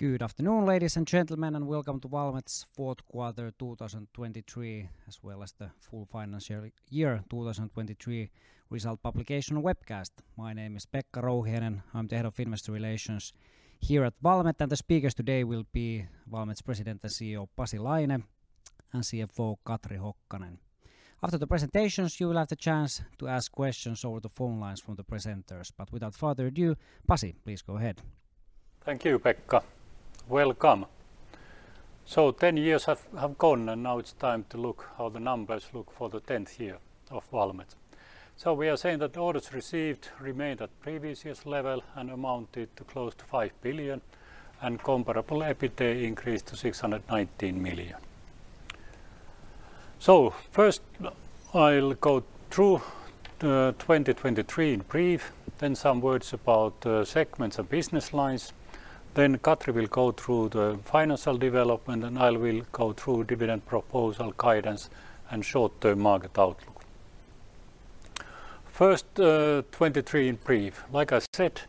Good afternoon, ladies and gentlemen, and welcome to Valmet's fourth quarter 2023, as well as the full financial year 2023 result publication webcast. My name is Pekka Rouhiainen, I'm the Head of Investor Relations here at Valmet, and the speakers today will be Valmet's President and CEO, Pasi Laine, and CFO, Katri Hokkanen. After the presentations, you will have the chance to ask questions over the phone lines from the presenters. Without further ado, Pasi, please go ahead. Thank you, Pekka. Welcome. So 10 years have gone, and now it's time to look how the numbers look for the 10th year of Valmet. So we are saying that orders received remained at previous year's level and amounted to close to 5 billion, and comparable EBITDA increased to 619 million. So first, I'll go through the 2023 in brief, then some words about the segments and business lines, then Katri will go through the financial development, and I will go through dividend proposal guidance and short-term market outlook. First, 2023 in brief. Like I said,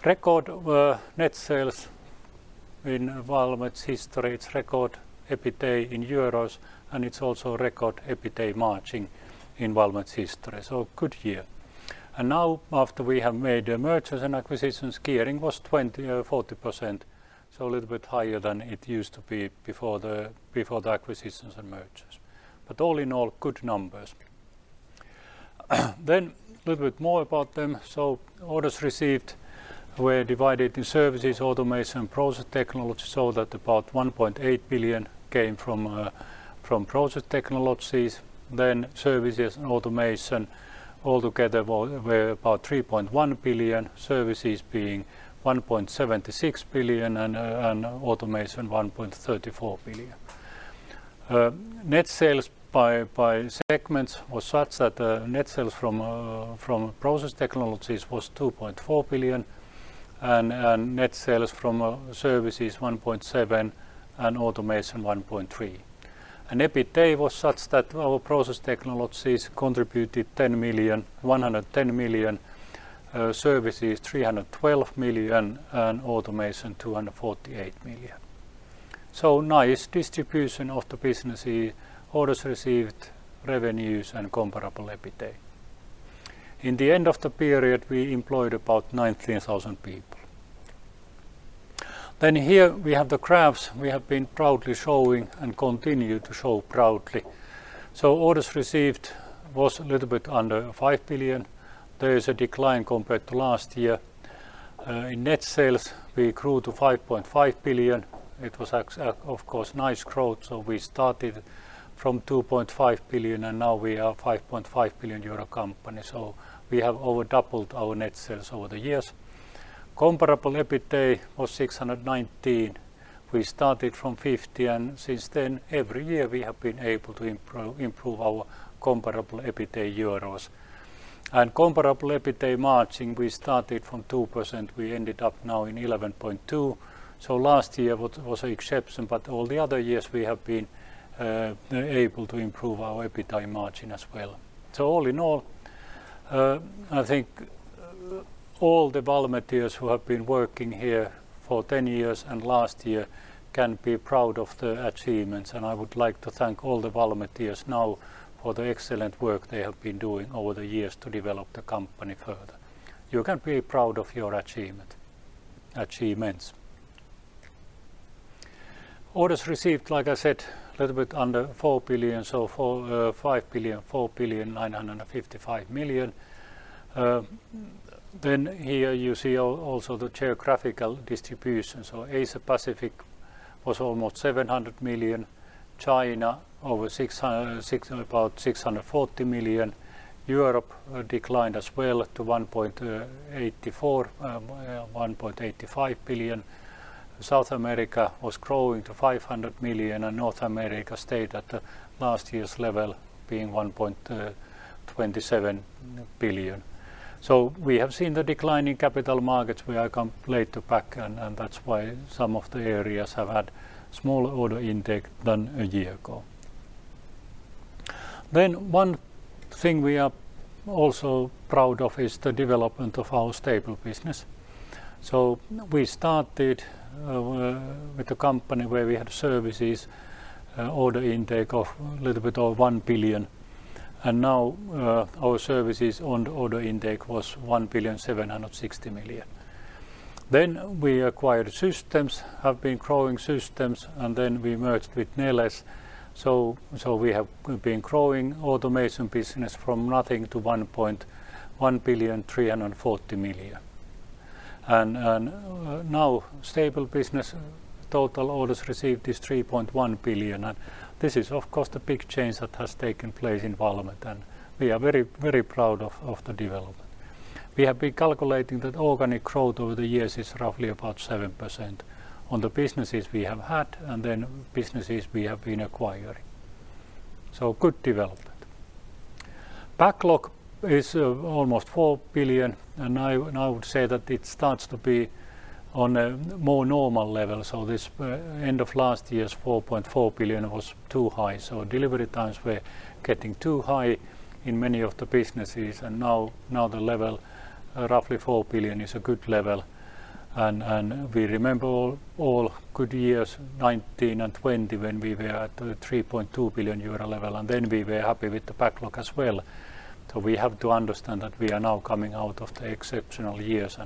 orders were close to EUR 5 billion. Net sales increased to EUR 5.5 billion, and backlog, in the end of the period was about EUR 4 billion. Our comparable EBITDA increased to EUR 619 million, and margin were 11.2%. So it's a record, net sales in Valmet's history, it's record EBITDA in euros, and it's also a record EBITDA margin in Valmet's history. So good year. And now, after we have made the mergers and acquisitions, gearing was 40%, so a little bit higher than it used to be before the, before the acquisitions and mergers. But all in all, good numbers. Then a little bit more about them. So orders received were divided in Services, Automation, and Process Technologies, so that about 1.8 billion came from, from Process Technologies, then Services and Automation altogether were, were about 3.1 billion, Services being 1.76 billion and, and Automation, 1.34 billion. Net sales by segments was such that net sales from Process Technologies was 2.4 billion, and net sales from Services, 1.7 billion, and Automation, 1.3 billion. And EBITDA was such that our Process Technologies contributed 110 million, Services, 312 million, and Automation, 248 million. So nice distribution of the business, the orders received, revenues, and comparable EBITDA. In the end of the period, we employed about 19,000 people. Then here, we have the graphs we have been proudly showing and continue to show proudly. So orders received was a little bit under 5 billion. There is a decline compared to last year. In net sales, we grew to 5.5 billion. It was, of course, nice growth. So we started from 2.5 billion, and now we are a 5.5 billion euro company, so we have over doubled our net sales over the years. Comparable EBITDA was 619. We started from 50, and since then, every year, we have been able to improve our comparable EBITDA euros. And comparable EBITDA margin, we started from 2%, we ended up now in 11.2%. So last year was an exception, but all the other years we have been able to improve our EBITDA margin as well. So all in all, I think, all the Valmetians who have been working here for 10 years and last year can be proud of the achievements, and I would like to thank all the Valmetians now for the excellent work they have been doing over the years to develop the company further. You can be proud of your achievements. Orders received, like I said, a little bit under 4 billion, so 4.5 billion, 4.955 billion. Then here you see also the geographical distribution. So Asia Pacific was almost 700 million, China over about 640 million, Europe declined as well to 1.85 billion. South America was growing to 500 million, and North America stayed at last year's level, being 1.27 billion. So we have seen the decline in capital markets. We are coming back late, and that's why some of the areas have had smaller order intake than a year ago. Then one thing we are also proud of is the development of our stable business. So we started with a company where we had services order intake of a little bit over EUR 1 billion, and now our services order intake was EUR 1.76 billion. Then we acquired systems, have been growing systems, and then we merged with Neles, so we have—we've been growing Automation business from nothing to 1.34 billion. Now stable business total orders received is 3.1 billion, and this is, of course, the big change that has taken place in Valmet, and we are very, very proud of the development. We have been calculating that organic growth over the years is roughly about 7% on the businesses we have had and then businesses we have been acquiring. So good development. Backlog is almost 4 billion, and I would say that it starts to be on a more normal level. So this end of last year's 4.4 billion was too high, so delivery times were getting too high in many of the businesses, and now the level, roughly EUR 4 billion, is a good level. We remember all good years, 2019 and 2020, when we were at the 3.2 billion euro level, and then we were happy with the backlog as well. We have to understand that we are now coming out of the exceptional years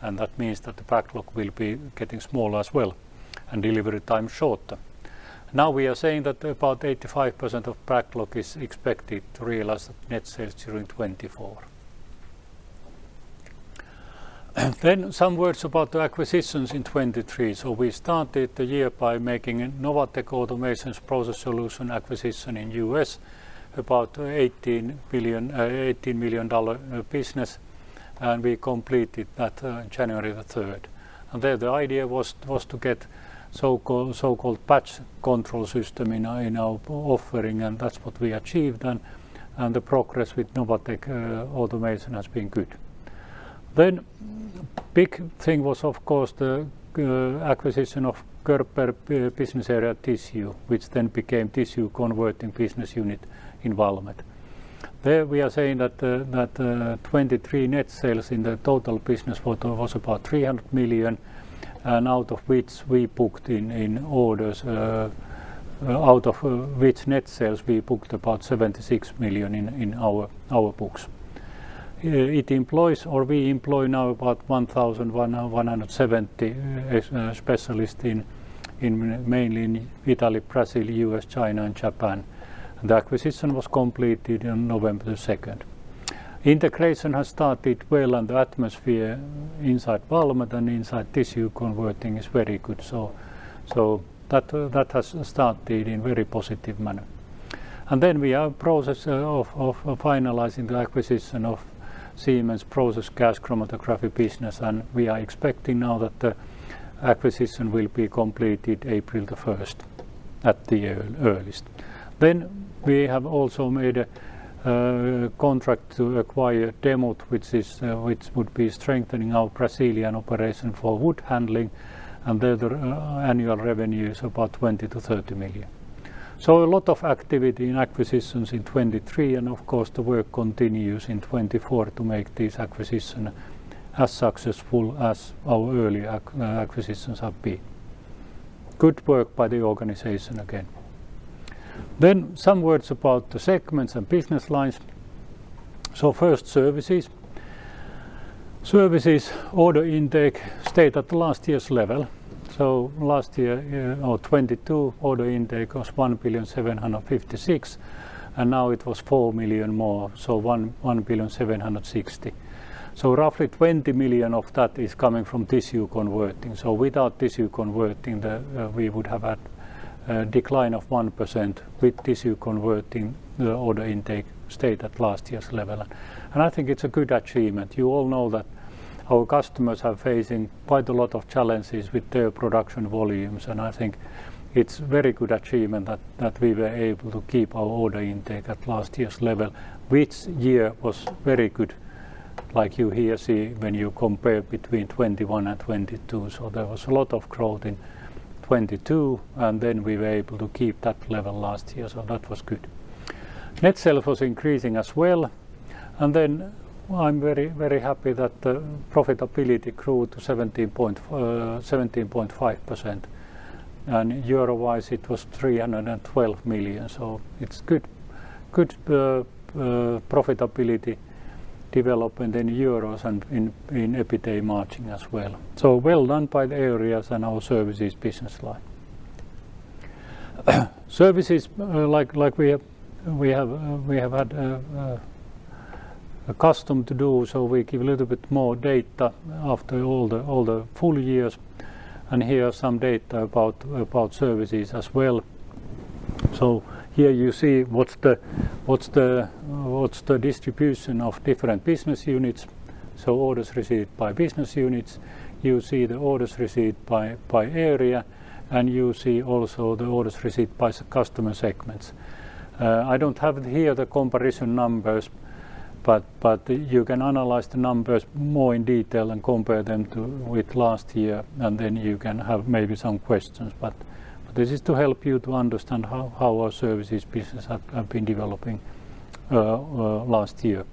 and that means that the backlog will be getting smaller as well, and delivery time shorter. Now, we are saying that about 85% of backlog is expected to realize net sales during 2024. Then some words about the acquisitions in 2023. We started the year by making NovaTech Automation's Process Solutions acquisition in the U.S., about $18 billion....18 million dollar business, and we completed that January the 3rd. There, the idea was to get so-called batch control system in our offering, and that's what we achieved, and the progress with NovaTech Automation has been good. Then big thing was, of course, the acquisition of Körber business area Tissue, which then became Tissue Converting business unit in Valmet. There, we are saying that the 2023 net sales in the total business was about 300 million, and out of which we booked in orders, out of which net sales we booked about 76 million in our books. It employs or we employ now about 1,170 specialists mainly in Italy, Brazil, US, China, and Japan. The acquisition was completed on November 2nd. Integration has started well, and the atmosphere inside Valmet and inside Tissue Converting is very good, so, so that that has started in very positive manner. And then we have process of finalizing the acquisition of Siemens Process Gas Chromatography business, and we are expecting now that the acquisition will be completed April the 1st, at the earliest. Then we have also made a contract to acquire Demuth, which is, which would be strengthening our Brazilian operation for wood handling, and their annual revenue is about 20 million-30 million. So a lot of activity in acquisitions in 2023, and of course, the work continues in 2024 to make this acquisition as successful as our early acquisitions have been. Good work by the organization again. Then some words about the segments and business lines. So first, Services. Services order intake stayed at the last year's level, so last year, or 2022, order intake was 1,756 million, and now it was 4 million more, so 1,760 million. So roughly 20 million of that is coming from Tissue Converting. So without Tissue Converting, the, we would have had a decline of 1%. With Tissue Converting, the order intake stayed at last year's level, and I think it's a good achievement. You all know that our customers are facing quite a lot of challenges with their production volumes, and I think it's very good achievement that, that we were able to keep our order intake at last year's level, which year was very good, like you here see when you compare between 2021 and 2022. So there was a lot of growth in 2022, and then we were able to keep that level last year, so that was good. Net sales was increasing as well, and then I'm very, very happy that the profitability grew to 17.5%, and euro-wise, it was 312 million. So it's good, good profitability development in euros and in EBITDA margin as well. So well done by the areas and our Services business line. Services, like we have had a custom to do, so we give a little bit more data after all the full years, and here are some data about Services as well. So here you see what's the distribution of different business units, so orders received by business units. You see the orders received by, by area, and you see also the orders received by the customer segments. I don't have here the comparison numbers, but, but you can analyze the numbers more in detail and compare them to with last year, and then you can have maybe some questions. But this is to help you to understand how, how our Services business have, have been developing, last year,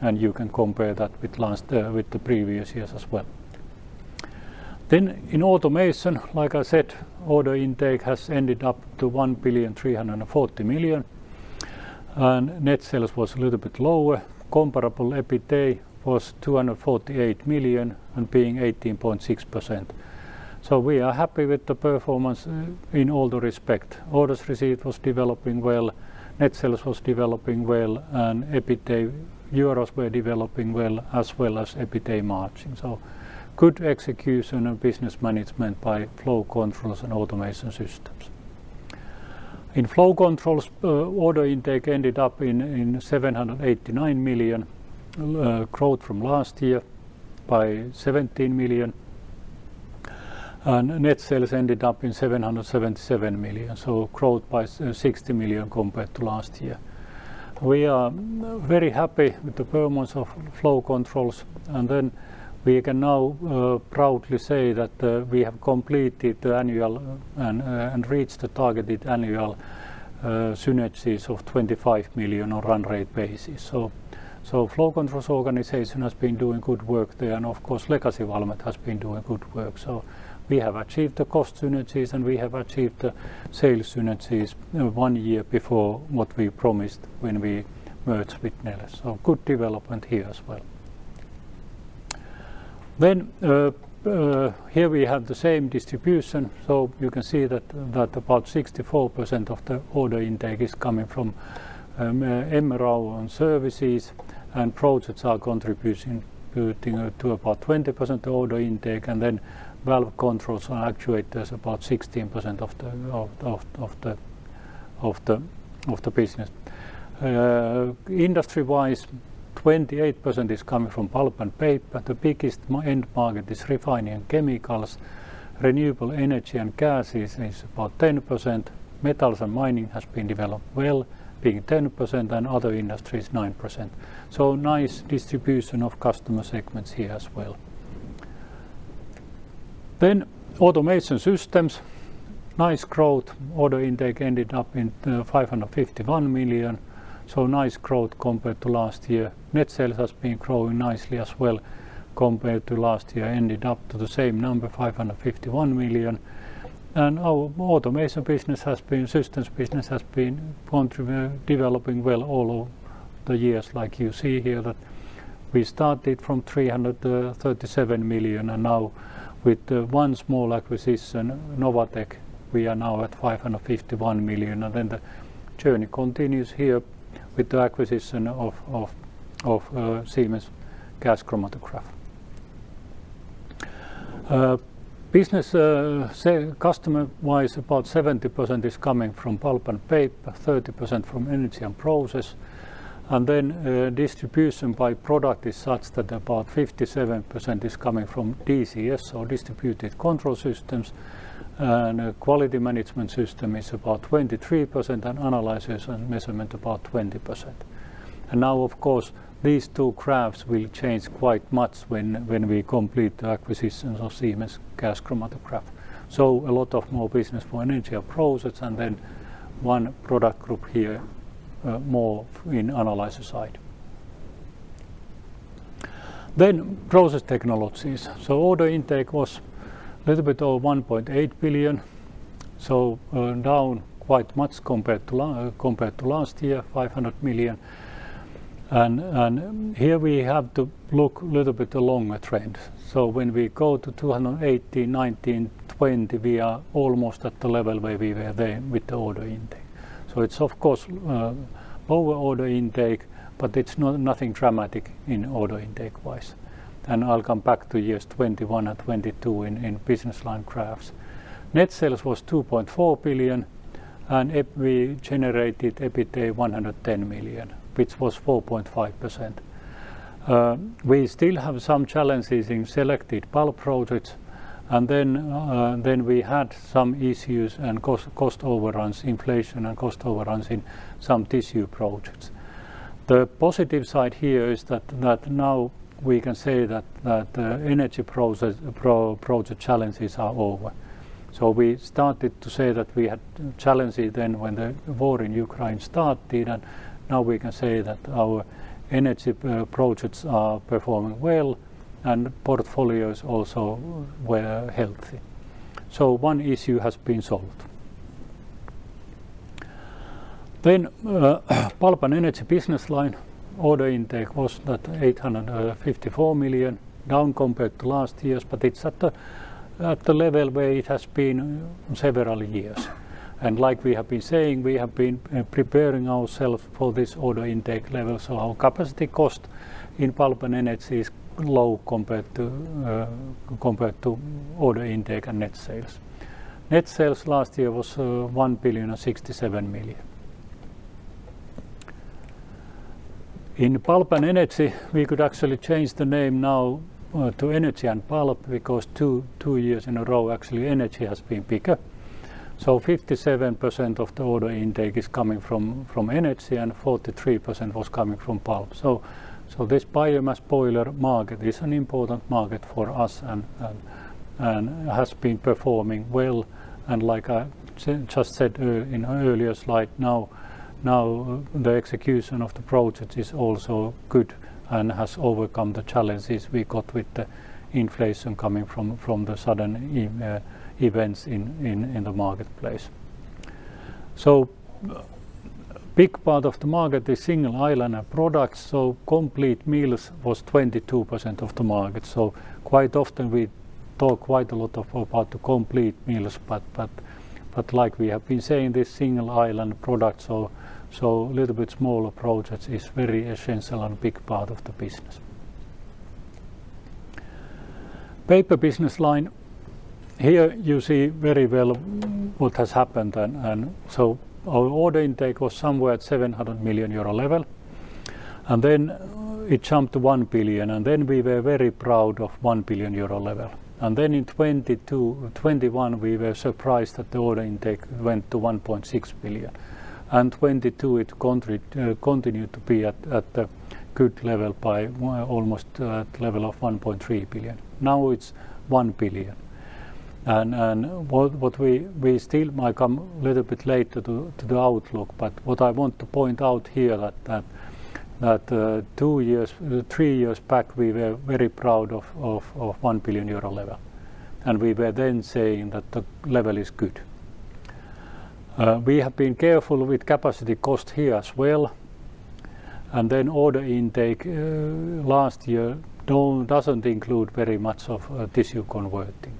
and you can compare that with last year with the previous years as well. Then in Automation, like I said, order intake has ended up to 1.34 billion, and net sales was a little bit lower. Comparable EBITDA was 248 million and being 18.6%. So we are happy with the performance in all due respect. Orders received was developing well, net sales was developing well, and EBITDA euros were developing well, as well as EBITDA margin, so good execution of business management by Flow Controls and Automation systems. In Flow Controls, order intake ended up in 789 million, growth from last year by 17 million, and net sales ended up in 777 million, so growth by 60 million compared to last year. We are very happy with the performance of Flow Controls, and then we can now proudly say that we have completed the annual and reached the targeted annual synergies of 25 million on run rate basis. So, Flow Controls organization has been doing good work there, and of course, Legacy Valmet has been doing good work. So we have achieved the cost synergies, and we have achieved the sales synergies one year before what we promised when we merged with Neles. So good development here as well. Then here we have the same distribution. So you can see that about 64% of the order intake is coming from MRO and Services, and Projects are contributing to about 20% order intake, and then valve controls and actuators, about 16% of the business. Industry-wise, 28% is coming from Pulp and Paper. The biggest end market is refining and chemicals. Renewable energy and gases is about 10%. Metals and mining has been developed well, being 10%, and other industries, 9%. So nice distribution of customer segments here as well. Then Automation Systems, nice growth. Order intake ended up at 551 million, so nice growth compared to last year. Net sales has been growing nicely as well, compared to last year, ended up to the same number, 551 million. And our Automation business, systems business has been developing well all of the years, like you see here, that we started from 337 million, and now with the one small acquisition, NovaTech, we are now at 551 million. And then the journey continues here with the acquisition of Siemens gas chromatography. Business customer-wise, about 70% is coming from Pulp and Paper, 30% from energy and process, and then distribution by product is such that about 57% is coming from DCS, or Distributed Control Systems, and quality management system is about 23%, and analysis and measurement, about 20%. And now, of course, these two graphs will change quite much when we complete the acquisitions of Siemens gas chromatograph. So a lot more business for energy and process, and then one product group here, more in analysis side. Then Process Technologies. So order intake was a little bit over 1.8 billion, down quite much compared to last year, 500 million. Here we have to look a little bit along the trend. So when we go to 2018, 2019, 2020, we are almost at the level where we were then with the order intake. So it's of course, lower order intake, but it's nothing dramatic in order intake-wise. And I'll come back to years 2021 and 2022 in business line graphs. Net sales was 2.4 billion, and we generated EBITDA 110 million, which was 4.5%. We still have some challenges in selected Pulp Projects, and then we had some issues and cost overruns, inflation and cost overruns in some Tissue Projects. The positive side here is that now we can say that the energy process project challenges are over. So we started to say that we had challenges then when the war in Ukraine started, and now we can say that our energy projects are performing well and portfolios also were healthy. So one issue has been solved. Pulp and Energy business line order intake was at 854 million, down compared to last year's, but it's at the level where it has been several years. Like we have been saying, we have been preparing ourselves for this order intake level, so our capacity cost in Pulp and Energy is low compared to compared to order intake and net sales. Net sales last year was one billion and sixty-seven million. In Pulp and Energy, we could actually change the name now to Energy and Pulp, because two, two years in a row, actually, energy has been bigger. So 57% of the order intake is coming from energy, and 43% was coming from Pulp. So this biomass boiler market is an important market for us and has been performing well. And like I just said in an earlier slide, now the execution of the project is also good and has overcome the challenges we got with the inflation coming from the sudden events in the marketplace. So a big part of the market is single island products, so complete mills was 22% of the market. So quite often we talk quite a lot about the complete mills, but like we have been saying, this single island product, so little bit smaller projects is very essential and a big part of the business. Paper Business Line. Here you see very well what has happened, and so our order intake was somewhere at 700 million euro level. And then it jumped to 1 billion, and then we were very proud of 1 billion euro level. And then in 2022, 2021, we were surprised that the order intake went to 1.6 billion. And 2022, it continued to be at a good level by almost level of 1.3 billion. Now, it's 1 billion. And what we still might come a little bit later to the outlook, but what I want to point out here that two years, three years back, we were very proud of 1 billion euro level, and we were then saying that the level is good. We have been careful with capacity cost here as well, and then order intake last year doesn't include very much of Tissue Converting.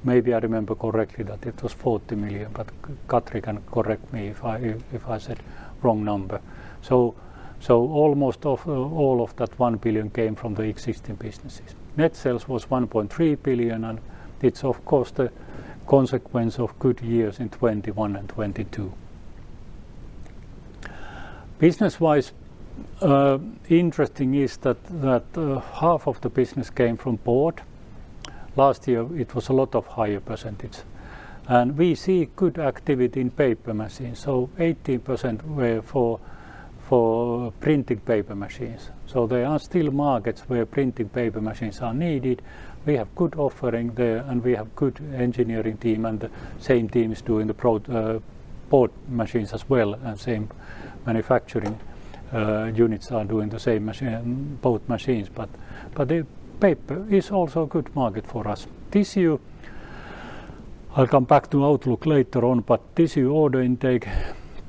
So maybe I remember correctly that it was 40 million, but Katri can correct me if I said wrong number. So almost of all of that 1 billion came from the existing businesses. Net sales was 1.3 billion, and it's, of course, the consequence of good years in 2021 and 2022. Business-wise, interesting is that half of the business came from board. Last year, it was a lot of higher percentage. And we see good activity in Paper machine, so 80% were for printing Paper machines. So there are still markets where printing Paper machines are needed. We have good offering there, and we have good engineering team, and the same team is doing the board machines as well, and same manufacturing units are doing the same both machines. But the Paper is also a good market for us. Tissue, I'll come back to outlook later on, but tissue order intake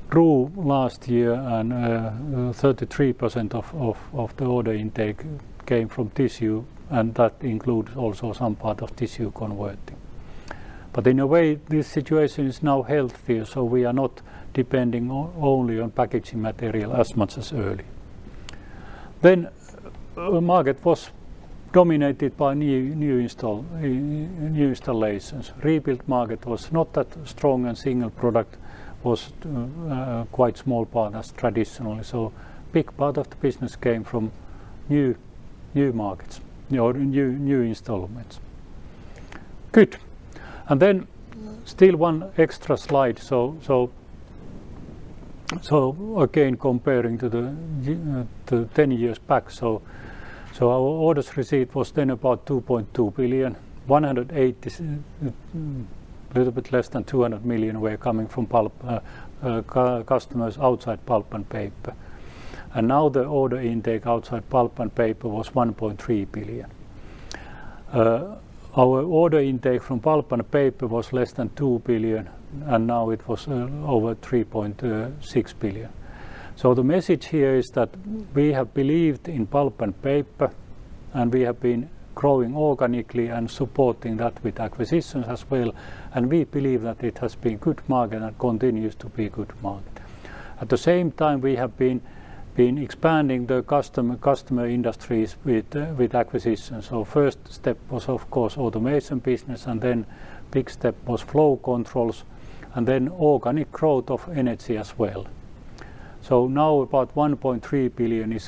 grew last year, and 33% of the order intake came from tissue, and that includes also some part of Tissue Converting. But in a way, this situation is now healthier, so we are not depending only on packaging material as much as early. Then market was dominated by new installations. Rebuilt market was not that strong, and single product was quite small part as traditionally. So big part of the business came from new markets, or new installations. Good. And then still one extra slide. So again, comparing to 10 years back, our orders received was then about 2.2 billion. 180 million, a little bit less than 200 million were coming from customers outside Pulp and Paper. And now, the order intake outside Pulp and Paper was 1.3 billion. Our order intake from Pulp and Paper was less than 2 billion, and now it was over 3.6 billion. So the message here is that we have believed in Pulp and Paper, and we have been growing organically and supporting that with acquisitions as well, and we believe that it has been good market and continues to be a good market. At the same time, we have been expanding the customer industries with acquisitions. So first step was, of course, Automation business, and then big step was Flow Controls, and then organic growth of energy as well. So now, about 1.3 billion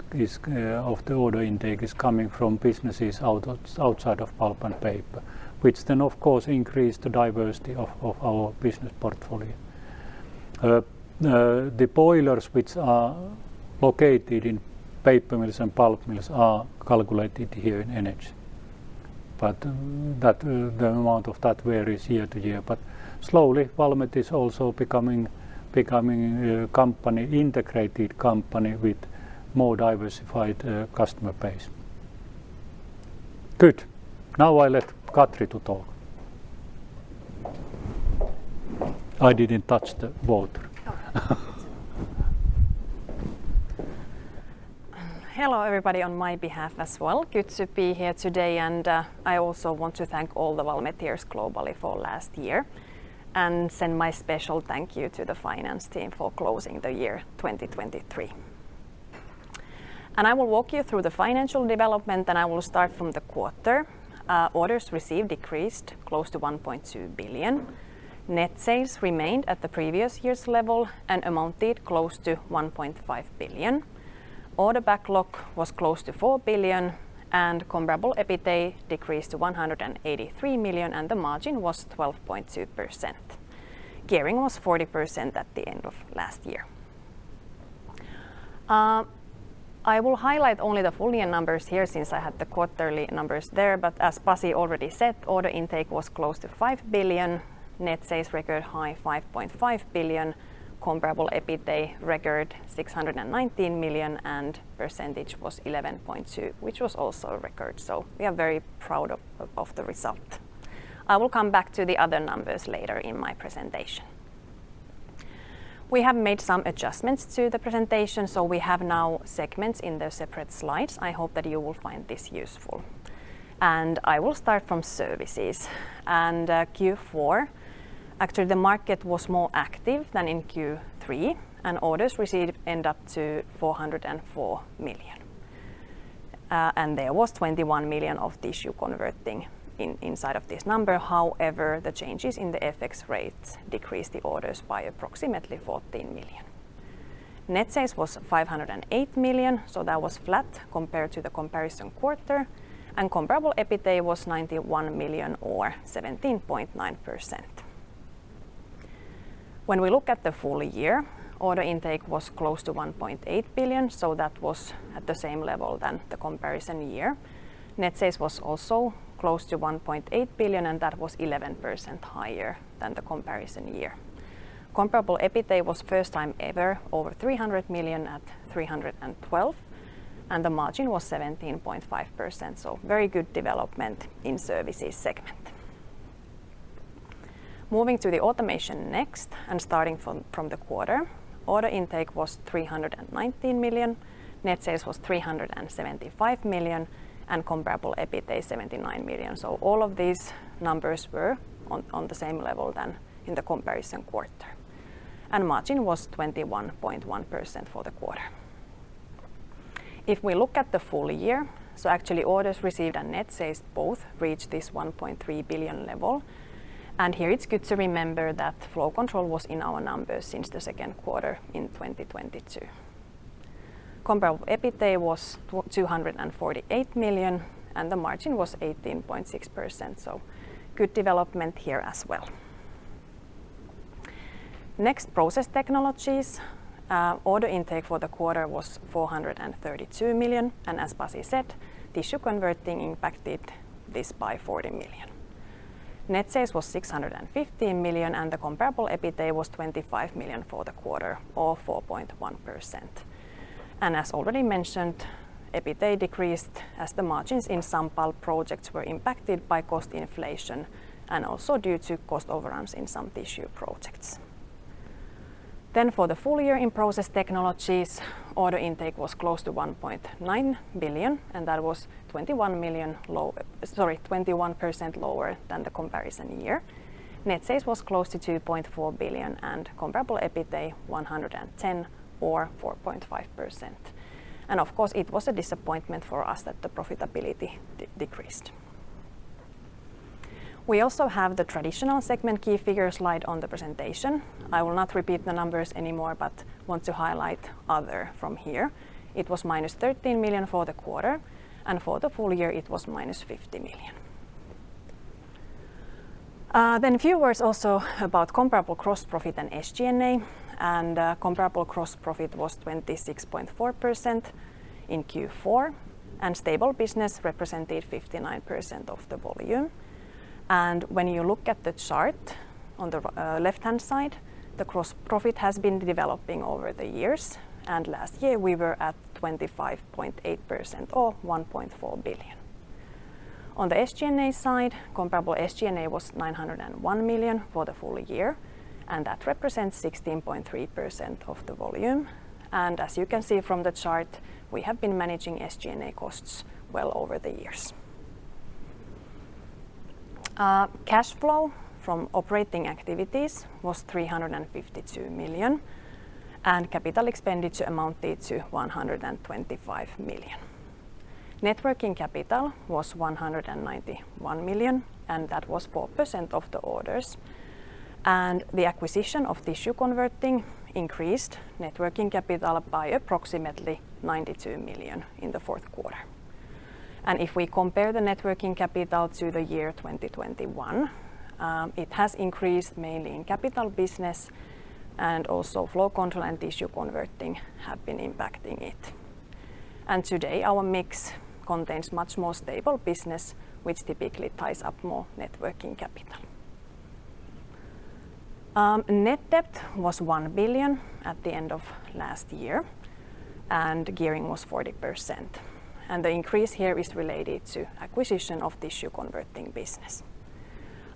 of the order intake is coming from businesses outside of Pulp and Paper, which then, of course, increased the diversity of our business portfolio. The boilers, which are located in Paper mills and Pulp mills, are calculated here in energy. But that, the amount of that varies year to year, but slowly, Valmet is also becoming a company, integrated company with more diversified, customer base. Good. Now, I let Katri to talk. I didn't touch the water. Hello, everybody, on my behalf as well. Good to be here today, and I also want to thank all the Valmeteers globally for last year, and send my special thank you to the finance team for closing the year 2023. And I will walk you through the financial development, and I will start from the quarter. Orders received decreased close to 1.2 billion. Net sales remained at the previous year's level and amounted close to EUR 1.5 billion. Order backlog was close to 4 billion, and Comparable EBITA decreased to EUR 183 million, and the margin was 12.2%. Gearing was 40% at the end of last year. I will highlight only the full year numbers here, since I had the quarterly numbers there, but as Pasi already said, order intake was close to 5 billion, net sales record high 5.5 billion, Comparable EBITA record 619 million, and percentage was 11.2%, which was also a record, so we are very proud of the result. I will come back to the other numbers later in my presentation. We have made some adjustments to the presentation, so we have now segments in the separate slides. I hope that you will find this useful. And I will start from services. And, Q4, actually, the market was more active than in Q3, and orders received end up to 404 million. And there was 21 million of Tissue Converting inside of this number. However, the changes in the FX rates decreased the orders by approximately EUR 14 million. Net sales was 508 million, so that was flat compared to the comparison quarter, and Comparable EBITA was EUR 91 million or 17.9%. When we look at the full year, order intake was close to EUR 1.8 billion, so that was at the same level than the comparison year. Net sales was million. Net sales was 615 million, and the Comparable EBITA was 25 million for the quarter, or 4.1%. And as already mentioned, EBITA decreased as the margins in some Pulp Projects were impacted by cost inflation, and also due to cost overruns in some Tissue Projects. Then for the full year in Process Technologies, order intake was close to 1.9 billion, and that was 21 million low... Sorry, 21% lower than the comparison year. Net sales was close to 2.4 billion, and Comparable EBITA, 110 or 4.5%. And of course, it was a disappointment for us that the profitability decreased. We also have the traditional segment key figure slide on the presentation. I will not repeat the numbers anymore, but want to highlight other from here. It was -13 million for the quarter, and for the full year, it was -50 million. Then a few words also about Comparable Gross Profit and SG&A, and Comparable Gross Profit was 26.4% in Q4, and stable business represented 59% of the volume. And when you look at the chart on the left-hand side, the gross profit has been developing over the years, and last year we were at 25.8%, or EUR 1.4 billion. On the SG&A side, comparable SG&A was EUR 901 million for the full year, and that represents 16.3% of the volume. And as you can see from the chart, we have been managing SG&A costs well over the years. Cash flow from operating activities was 352 million, and capital expenditure amounted to 125 million. Net working capital was 191 million, and that was 4% of the orders, and the acquisition of Tissue Converting increased net working capital by approximately 92 million in the fourth quarter. If we compare the net working capital to the year 2021, it has increased mainly in capital business, and also Flow Control and Tissue Converting have been impacting it. Today, our mix contains much more stable business, which typically ties up more net working capital. Net debt was 1 billion at the end of last year, and gearing was 40%, and the increase here is related to acquisition of Tissue Converting business.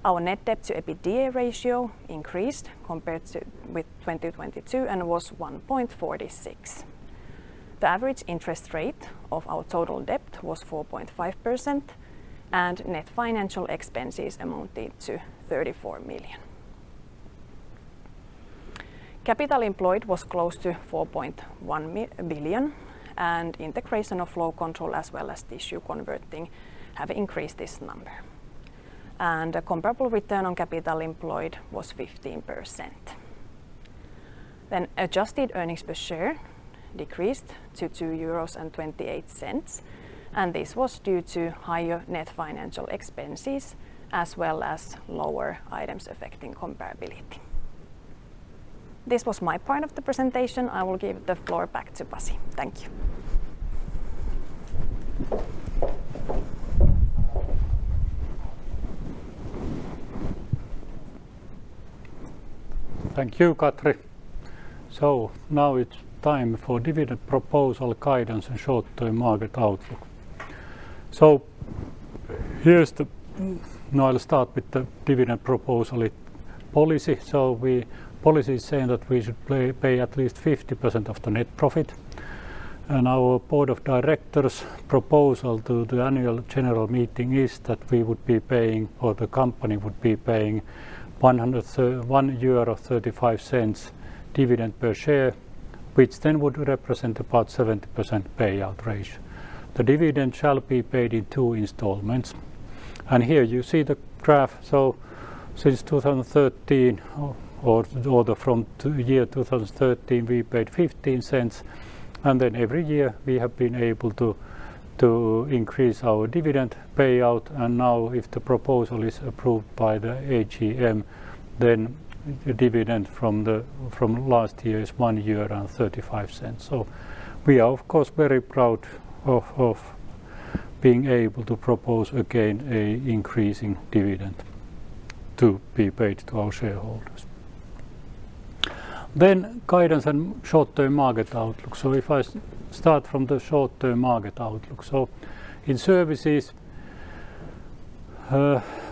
Our net debt to EBITDA ratio increased compared with 2022 and was 1.46. The average interest rate of our total debt was 4.5%, and net financial expenses amounted to 34 million. Capital employed was close to 4.1 billion, and integration of flow control as well as Tissue Converting have increased this number. A comparable return on capital employed was 15%. Adjusted earnings per share decreased to EUR 2.28, and this was due to higher net financial expenses, as well as lower items affecting comparability. This was my part of the presentation. I will give the floor back to Pasi. Thank you. Thank you, Katri. Now it's time for dividend proposal guidance and short-term market outlook. Now I'll start with the dividend proposal policy. Our policy is saying that we should pay at least 50% of the net profit, and our board of directors' proposal to the annual general meeting is that we would be paying, or the company would be paying EUR 1.35 dividend per share, which then would represent about 70% payout ratio. The dividend shall be paid in two installments, and here you see the graph. So since 2013, or from year 2013, we paid 0.15, and then every year we have been able to increase our dividend payout. Now if the proposal is approved by the AGM, then the dividend from last year is 0.35. We are, of course, very proud of being able to propose again an increasing dividend to be paid to our shareholders. Then guidance and short-term market outlook. If I start from the short-term market outlook. In services,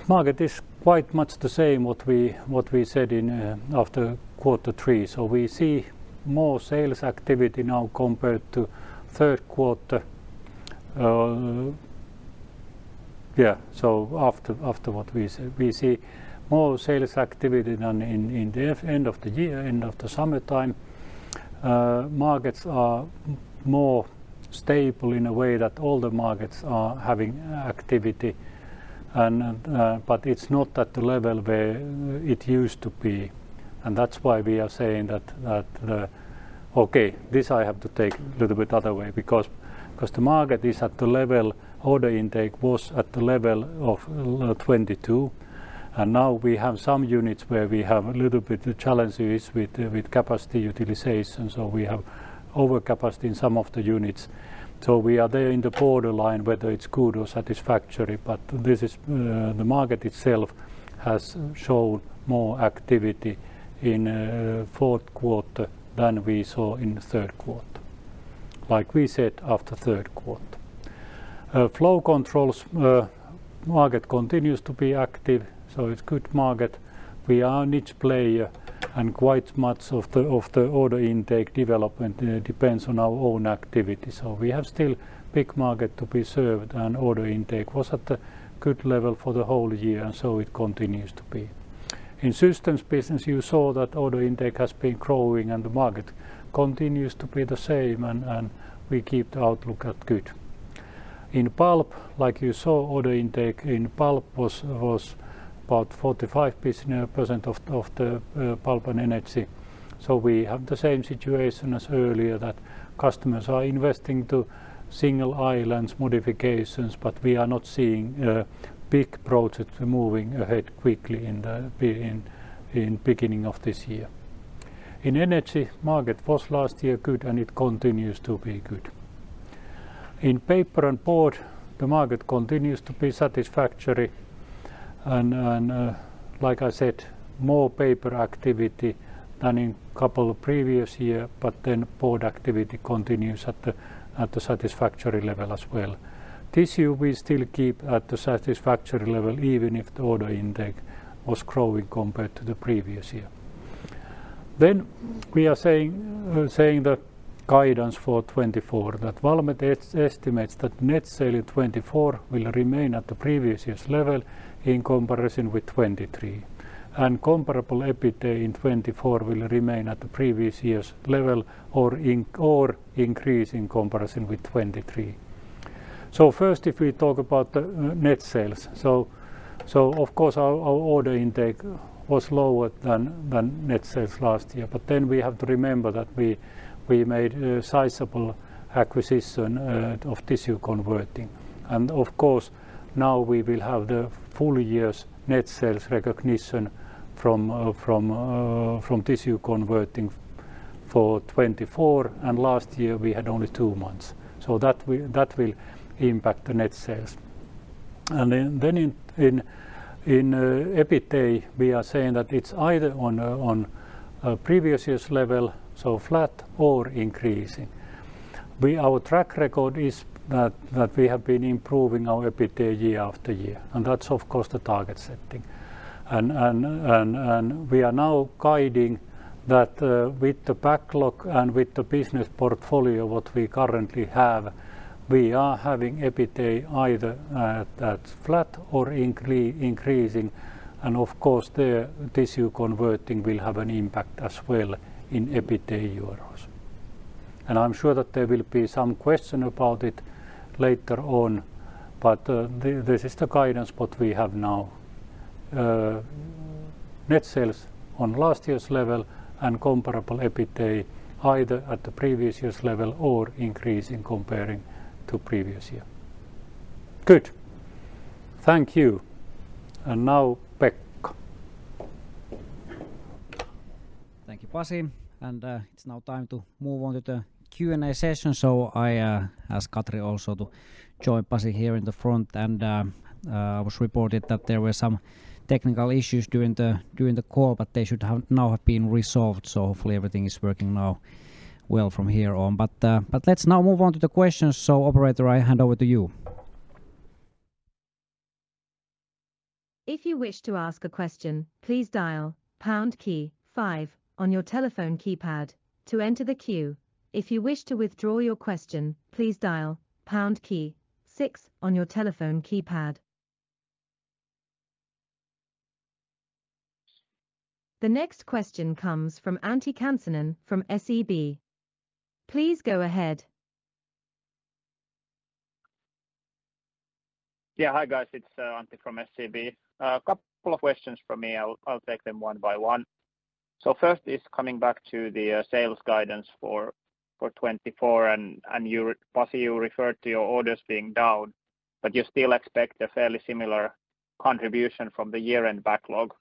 market is quite much the same what we said in after quarter three. We see more sales activity now compared to third quarter. After what we said, we see more sales activity than in the end of the year, end of the summertime. Markets are more stable in a way that all the markets are having activity, and but it's not at the level where it used to be. That's why we are saying that. Okay, this I have to take little bit other way, because the market is at the level order intake was at the level of 2022, and now we have some units where we have a little bit challenges with capacity utilization, so we have over capacity in some of the units. So we are there in the borderline, whether it's good or satisfactory, but this is the market itself has shown more activity in fourth quarter than we saw in the third quarter, like we said, after third quarter. Flow Controls market continues to be active, so it's good market. We are a niche player, and quite much of the order intake development depends on our own activity. So we have still big market to be served, and order intake was at a good level for the whole year, and so it continues to be. In systems business, you saw that order intake has been growing, and the market continues to be the same, and we keep the outlook at good. In Pulp, like you saw, order intake in Pulp was about 45% of the Pulp and Energy. So we have the same situation as earlier, that customers are investing to single islands modifications, but we are not seeing big projects moving ahead quickly in the beginning of this year. In energy, market was last year good, and it continues to be good. In Paper and board, the market continues to be satisfactory and like I said, more Paper activity than in couple of previous year, but then board activity continues at the satisfactory level as well. This year, we still keep at the satisfactory level, even if the order intake was growing compared to the previous year. Then we are saying the guidance for 2024, that Valmet estimates that net sales in 2024 will remain at the previous year's level in comparison with 2023, and Comparable EBITA in 2024 will remain at the previous year's level or increase in comparison with 2023. So first, if we talk about the net sales, so of course our order intake was lower than net sales last year. But then we have to remember that we made a sizable acquisition of Tissue Converting, and of course, now we will have the full year's net sales recognition from Tissue Converting for 2024, and last year we had only two months. So that will impact the net sales. And then in EBITDA, we are saying that it's either on a previous year's level, so flat or increasing. Our track record is that we have been improving our EBITDA year after year, and that's of course the target setting. And we are now guiding that with the backlog and with the business portfolio what we currently have, we are having EBITDA either at flat or increasing. Of course, the Tissue Converting will have an impact as well in EBITDA euros. And I'm sure that there will be some question about it later on, but this is the guidance what we have now. Net sales on last year's level and comparable EBITDA either at the previous year's level or increasing comparing to previous year. Good. Thank you, and now, Pekka. Thank you, Pasi, and it's now time to move on to the Q&A session. So I ask Katri also to join Pasi here in the front, and it was reported that there were some technical issues during the call, but they should now have been resolved, so hopefully everything is working now well from here on. But let's now move on to the questions. So operator, I hand over to you. If you wish to ask a question, please dial pound key five on your telephone keypad to enter the queue. If you wish to withdraw your question, please dial pound key six on your telephone keypad.... The next question comes from Antti Kansanen from SEB. Please go ahead. Yeah. Hi, guys. It's Antti from SEB. A couple of questions from me. I'll take them one by one. So first is coming back to the sales guidance for 2024, and you, Pasi, you referred to your orders being down, but you still expect a fairly similar contribution from the year-end backlog.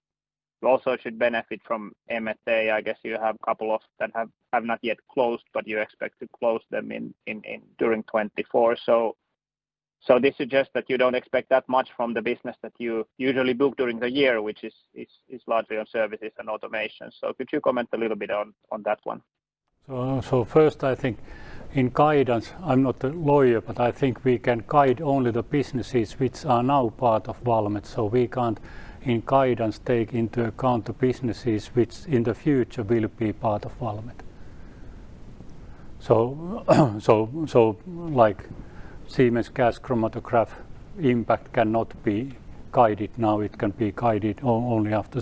You also should benefit from MFA. I guess you have a couple of that have not yet closed, but you expect to close them in during 2024. So this suggests that you don't expect that much from the business that you usually book during the year, which is largely on Services and Automation. So could you comment a little bit on that one? So first, I think in guidance, I'm not a lawyer, but I think we can guide only the businesses which are now part of Valmet, so we can't, in guidance, take into account the businesses which in the future will be part of Valmet. So like Siemens gas chromatograph impact cannot be guided now, it can be guided only after.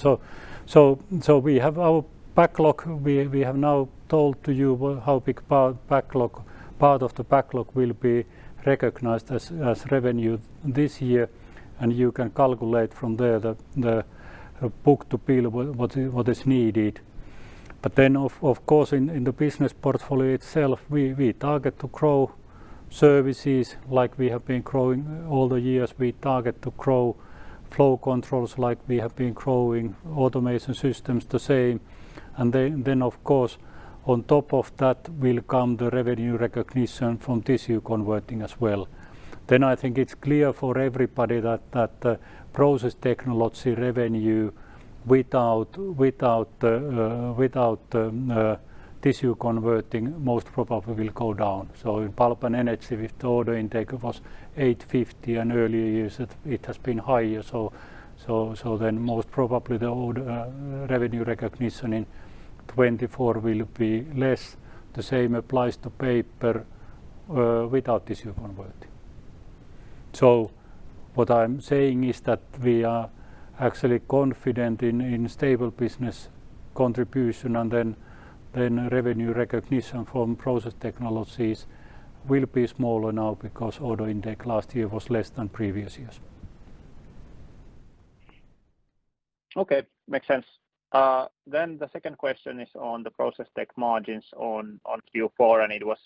So we have our backlog. We have now told you how big part of the backlog will be recognized as revenue this year, and you can calculate from there the book-to-bill, what is needed. But then of course, in the business portfolio itself, we target to grow services like we have been growing all the years. We target to grow Flow Controls like we have been growing, Automation systems the same. Then, of course, on top of that will come the revenue recognition from Tissue Converting as well. Then I think it's clear for everybody that Process Technology revenue, without the Tissue Converting, most probably will go down. So in Pulp and Energy, if the order intake was 850 in earlier years, it has been higher. So then most probably the overall revenue recognition in 2024 will be less. The same applies to Paper without Tissue Converting. So what I'm saying is that we are actually confident in stable business contribution, and then revenue recognition from Process Technologies will be smaller now because order intake last year was less than previous years. Okay, makes sense. Then the second question is on the Process Technologies margins on Q4, and it was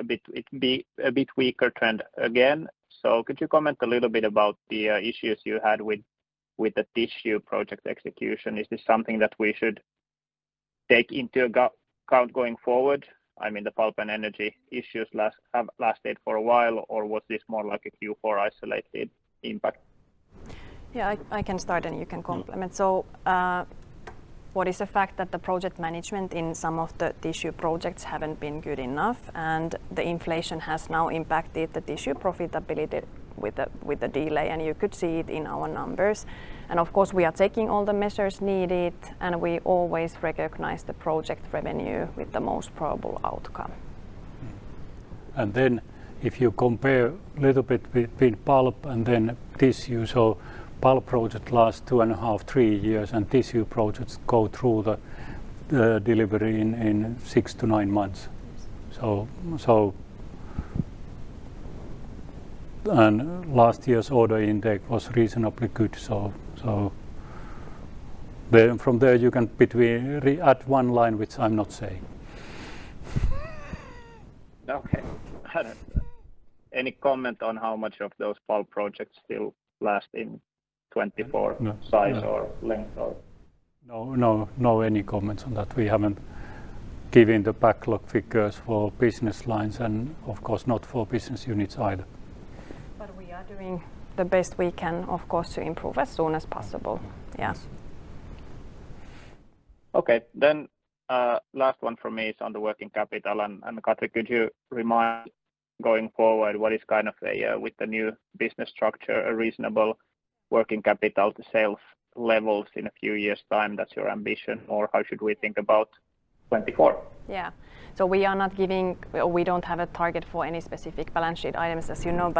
a bit weaker trend again. So could you comment a little bit about the issues you had with the Tissue Project execution? Is this something that we should take into account going forward? I mean, the Pulp and Energy issues have lasted for a while, or was this more like a Q4 isolated impact? Yeah, I can start, and you can complement. Mm-hmm. So, what is the fact that the project management in some of the Tissue Projects haven't been good enough, and the inflation has now impacted the tissue profitability with the delay, and you could see it in our numbers. And of course, we are taking all the measures needed, and we always recognize the project revenue with the most probable outcome. Mm-hmm. And then if you compare a little bit between Pulp and then tissue, so Pulp Project last 2.5-3 years, and Tissue Projects go through the delivery in 6-9 months. So. And last year's order intake was reasonably good, so then from there, you can add one line, which I'm not saying. Okay. Any comment on how much of those Pulp Projects still last in 2024- No... size or length or? No, no, no, any comments on that. We haven't given the backlog figures for business lines and of course not for business units either. But we are doing the best we can, of course, to improve as soon as possible. Yeah. Yes. Okay. Then, last one from me is on the working capital, and, and Katri, could you remind going forward, what is kind of a, with the new business structure, a reasonable working capital to sales levels in a few years' time, that's your ambition, or how should we think about 2024? Yeah. So we are not giving... We don't have a target for any specific balance sheet items, as you know.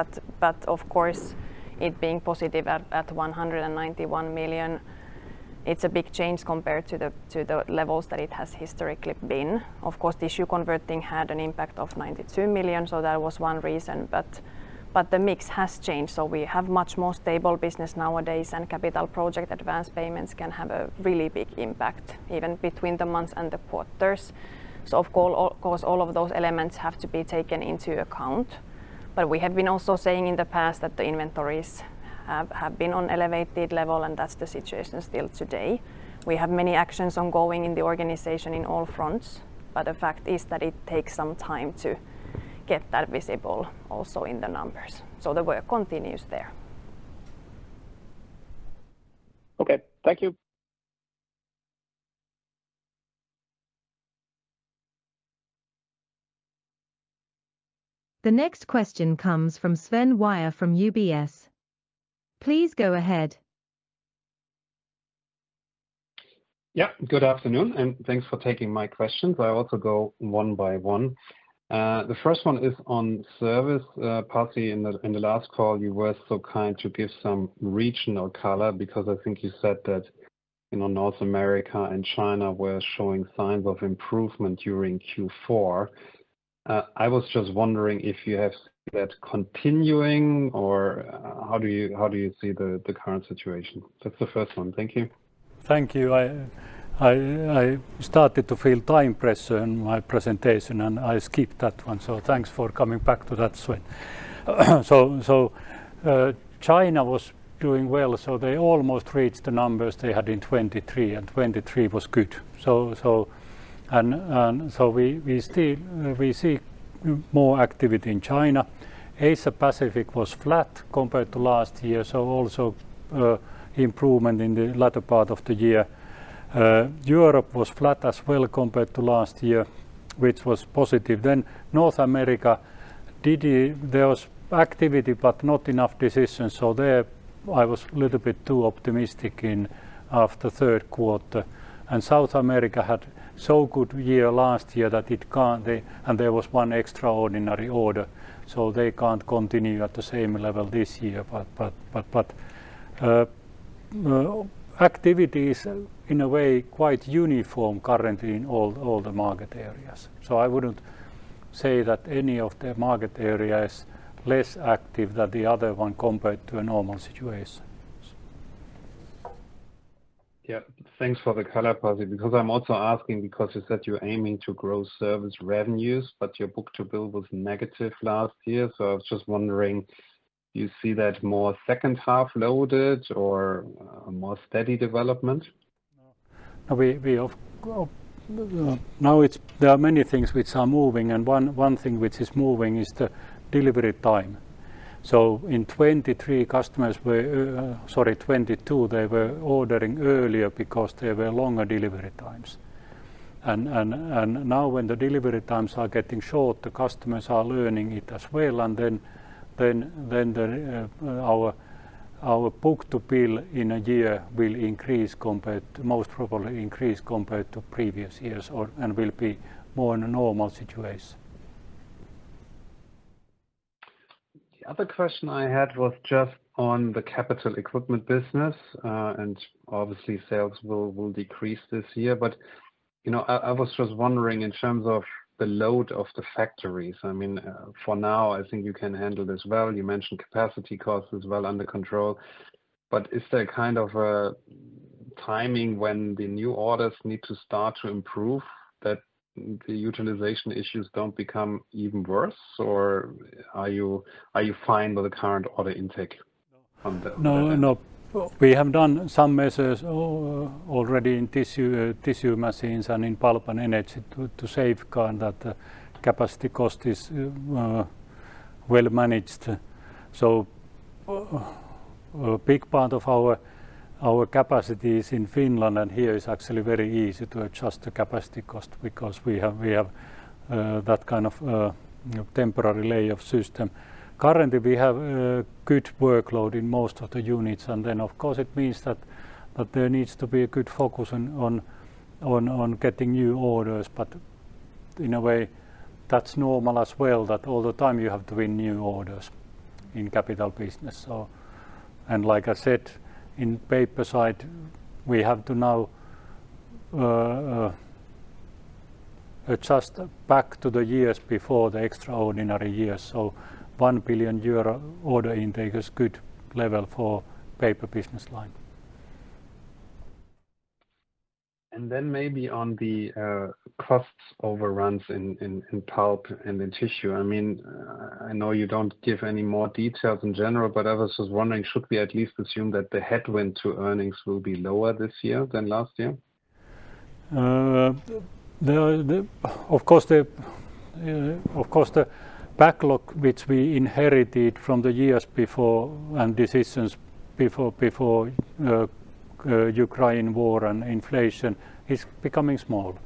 But of course, it being positive at 191 million, it's a big change compared to the levels that it has historically been. Of course, Tissue Converting had an impact of 92 million, so that was one reason, but the mix has changed. So we have much more stable business nowadays, and capital project advanced payments can have a really big impact, even between the months and the quarters. So of course, all of those elements have to be taken into account. But we have been also saying in the past that the inventories have been on elevated level, and that's the situation still today. We have many actions ongoing in the organization in all fronts, but the fact is that it takes some time to get that visible also in the numbers. So the work continues there. Okay. Thank you. The next question comes from Sven Weier from UBS. Please go ahead.... Yeah, good afternoon, and thanks for taking my questions. I also go one by one. The first one is on service, Pasi. In the last call, you were so kind to give some regional color, because I think you said that, you know, North America and China were showing signs of improvement during Q4. I was just wondering if you have that continuing, or how do you see the current situation? That's the first one. Thank you. Thank you. I started to feel time pressure in my presentation, and I skipped that one, so thanks for coming back to that swing. So, China was doing well, so they almost reached the numbers they had in 2023, and 2023 was good. So, and so we still see more activity in China. Asia Pacific was flat compared to last year, so also improvement in the latter part of the year. Europe was flat as well compared to last year, which was positive. Then North America did the... There was activity but not enough decisions, so there I was a little bit too optimistic in after third quarter. And South America had so good year last year that it can't, they and there was one extraordinary order, so they can't continue at the same level this year. Activity is in a way quite uniform currently in all the market areas, so I wouldn't say that any of the market area is less active than the other one compared to a normal situation. Yeah. Thanks for the color, Pasi, because I'm also asking because you said you're aiming to grow service revenues, but your book-to-bill was negative last year. So I was just wondering, do you see that more second half loaded or more steady development? No, well, now it's—there are many things which are moving, and one thing which is moving is the delivery time. So in 2023, customers were... Sorry, 2022, they were ordering earlier because there were longer delivery times. And now when the delivery times are getting short, the customers are learning it as well, and then our book-to-bill in a year will increase compared—most probably increase compared to previous years or, and will be more in a normal situation. The other question I had was just on the Capital Equipment Business. And obviously, sales will, will decrease this year, but, you know, I, I was just wondering in terms of the load of the factories, I mean, for now, I think you can handle this well. You mentioned capacity costs as well under control, but is there kind of a timing when the new orders need to start to improve, that the utilization issues don't become even worse? Or are you, are you fine with the current order intake from the- No, no. We have done some measures already in tissue, tissue machines and in Pulp and Energy to safeguard that capacity cost is well managed. So, a big part of our capacity is in Finland, and here it's actually very easy to adjust the capacity cost because we have that kind of temporary lay-off system. Currently, we have a good workload in most of the units, and then, of course, it means that there needs to be a good focus on getting new orders. But in a way, that's normal as well, that all the time you have to win new orders in capital business, so... And like I said, in Paper side, we have to now adjust back to the years before the extraordinary year. 1 billion euro order intake is good level for Paper Business Line. Then maybe on the cost overruns in Pulp and in tissue, I mean, I know you don't give any more details in general, but I was just wondering, should we at least assume that the headwind to earnings will be lower this year than last year? Of course, the backlog, which we inherited from the years before and decisions before, before Ukraine war and inflation, is becoming small.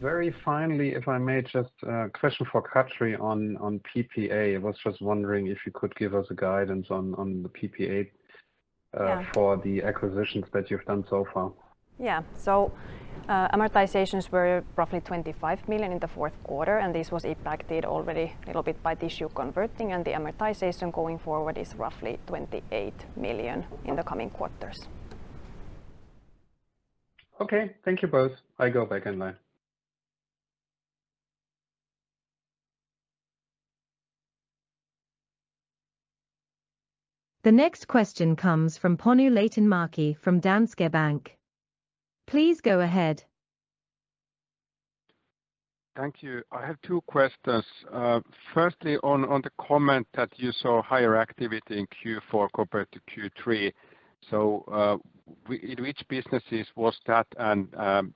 Very finally, if I may, just a question for Katri on, on PPA. I was just wondering if you could give us a guidance on, on the PPA- Yeah... for the acquisitions that you've done so far. Yeah. So, amortizations were roughly 25 million in the fourth quarter, and this was impacted already a little bit by Tissue Converting, and the amortization going forward is roughly 28 million in the coming quarters. Okay. Thank you both. I go back in line. The next question comes from Panu Laitinmäki from Danske Bank. Please go ahead. Thank you. I have two questions. First, on the comment that you saw higher activity in Q4 compared to Q3. So, in which businesses was that, and,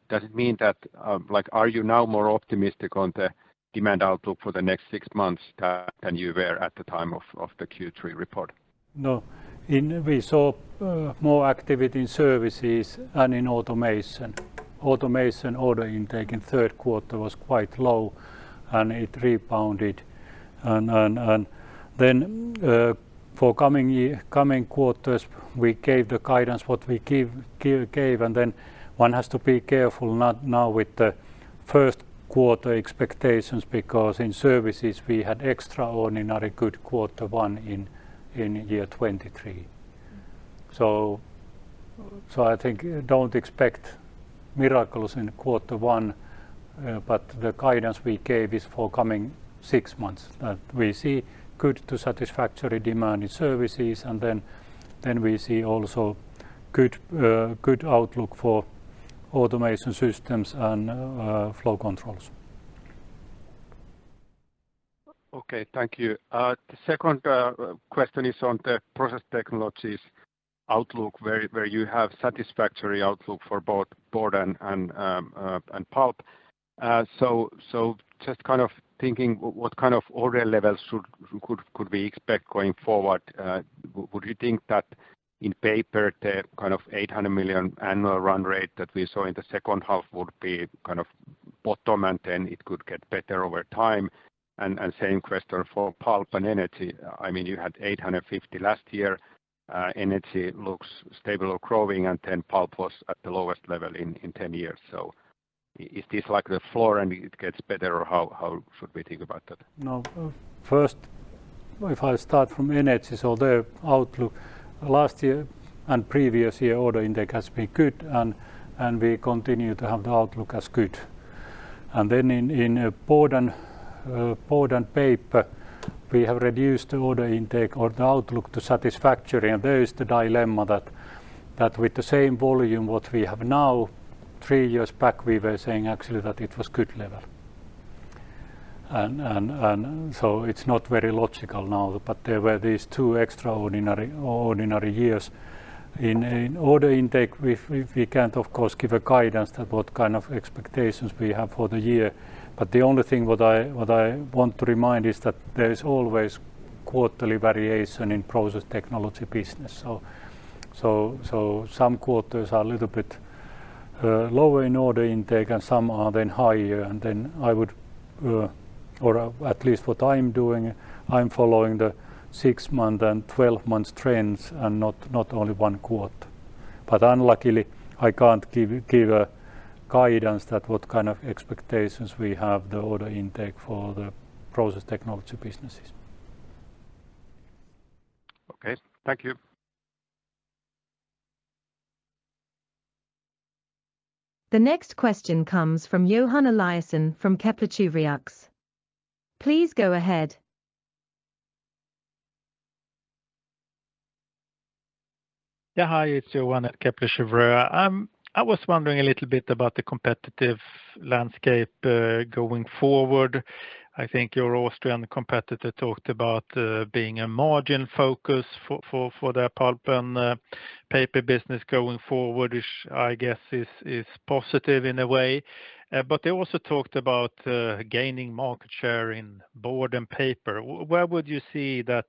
does it mean that, like, are you now more optimistic on the demand outlook for the next six months than you were at the time of the Q3 report? No. We saw more activity in Services and in Automation. Automation order intake in third quarter was quite low, and it rebounded. And then, for coming quarters, we gave the guidance, and then one has to be careful, not now with the first quarter expectations, because in Services we had extraordinary good quarter one in year 2023. So I think don't expect miracles in quarter one, but the guidance we gave is for coming six months, that we see good to satisfactory demand in Services, and then we see also good outlook for Automation Systems and Flow Controls. Okay, thank you. The second question is on the Process Technologies outlook, where you have satisfactory outlook for both Board and Pulp. So just kind of thinking, what kind of order levels could we expect going forward? Would you think that in paper, the kind of 800 million annual run rate that we saw in the second half would be kind of bottom, and then it could get better over time? And same question for Pulp and Energy. I mean, you had 850 million last year. Energy looks stable or growing, and then Pulp was at the lowest level in 10 years. So is this like the floor and it gets better, or how should we think about that? No. First, if I start from energy, so the outlook last year and previous year, order intake has been good and we continue to have the outlook as good. And then in Board and Paper, we have reduced the order intake or the outlook to satisfactory. And there is the dilemma that with the same volume what we have now, three years back, we were saying actually that it was good level. And so it's not very logical now, but there were these two extraordinary, ordinary years. In order intake, we can't, of course, give a guidance that what kind of expectations we have for the year, but the only thing what I want to remind is that there is always quarterly variation in Process Technology business. So some quarters are a little bit lower in order intake, and some are then higher. And then I would, or at least what I'm doing, I'm following the 6-month and 12-month trends and not only one quarter. But unluckily, I can't give a guidance that what kind of expectations we have the order intake for the Process Technology businesses. Okay, thank you. The next question comes from Johan Eliason from Kepler Cheuvreux. Please go ahead. Yeah, hi, it's Johan at Kepler Cheuvreux. I was wondering a little bit about the competitive landscape going forward. I think your Austrian competitor talked about being a margin focus for their Pulp and Paper business going forward, which I guess is positive in a way. But they also talked about gaining market share in Board and Paper. Where would you see that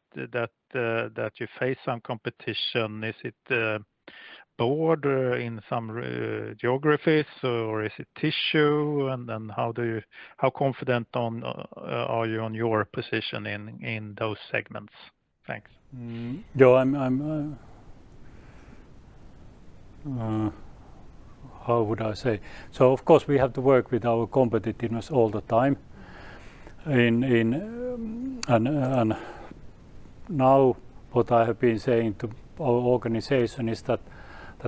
you face some competition? Is it Board in some geographies, or is it tissue? And then how confident are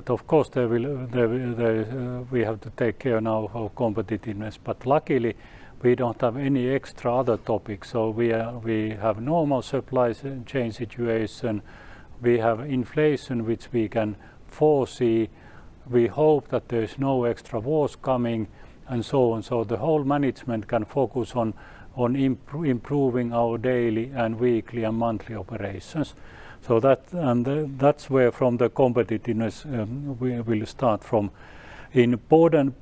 you on your position in those segments? Thanks. Johan, how would I say? So of course, we have to work with our competitiveness all the time. And now, what I have been saying to our organization is that of course, there will, we have to take care now of our competitiveness, but luckily, we don't have any extra other topics. So we have normal supply chain situation, we have inflation, which we can foresee. We hope that there is no extra wars coming, and so on. So the whole management can focus on improving our daily and weekly and monthly operations. So that's where from the competitiveness, we will start from. In Board and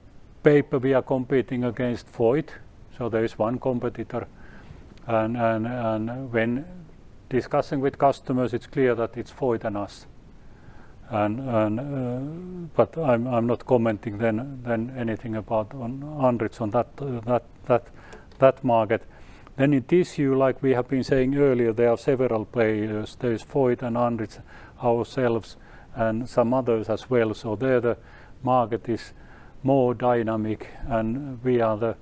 Paper, we are competing against Voith, so there is one competitor. When discussing with customers, it's clear that it's Voith and us. But I'm not commenting then anything about on Andritz on that market. Then in tissue, like we have been saying earlier, there are several players. There is Voith and Andritz, ourselves, and some others as well. So there, the market is more dynamic, and we are the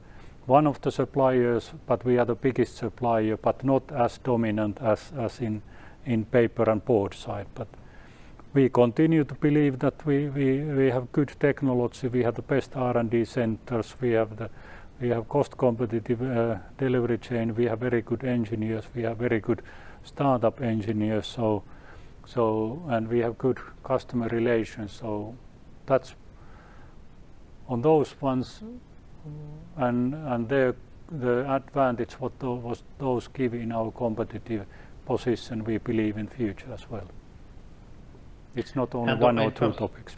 one of the suppliers, but we are the biggest supplier, but not as dominant as in Paper and Board side. But we continue to believe that we have good technology, we have the best R&D centers, we have cost-competitive delivery chain, we have very good engineers, we have very good startup engineers. And we have good customer relations, so that's... On those ones, and the advantage what those give in our competitive position, we believe in future as well. It's not only one or two topics.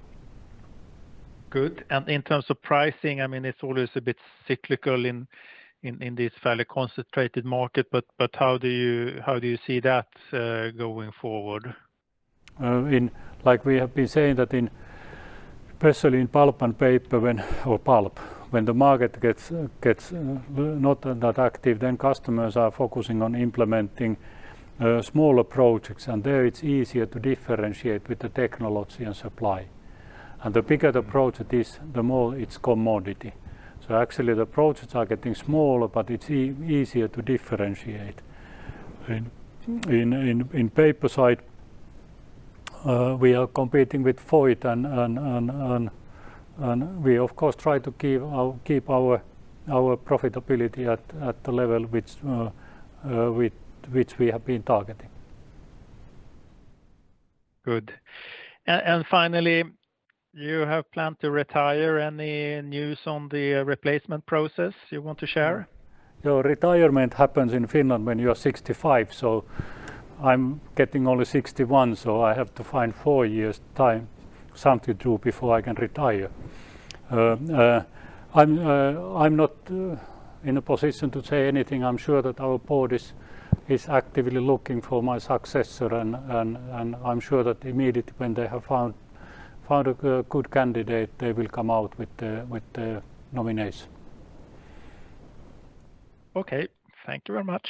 Good. And in terms of pricing, I mean, it's always a bit cyclical in this fairly concentrated market, but how do you see that going forward?... like we have been saying that in, especially in Pulp and Paper, or Pulp, when the market gets not that active, then customers are focusing on implementing smaller projects, and there it's easier to differentiate with the technology and supply. And the bigger the project is, the more it's commodity. So actually, the projects are getting smaller, but it's easier to differentiate. And in Paper side, we are competing with Voith and we, of course, try to keep our profitability at the level which we have been targeting. Good. And finally, you have planned to retire. Any news on the replacement process you want to share? So retirement happens in Finland when you are 65, so I'm getting only 61, so I have to find 4 years time, something to do before I can retire. I'm not in a position to say anything. I'm sure that our Board is actively looking for my successor, and I'm sure that immediately when they have found a good candidate, they will come out with the nomination. Okay. Thank you very much.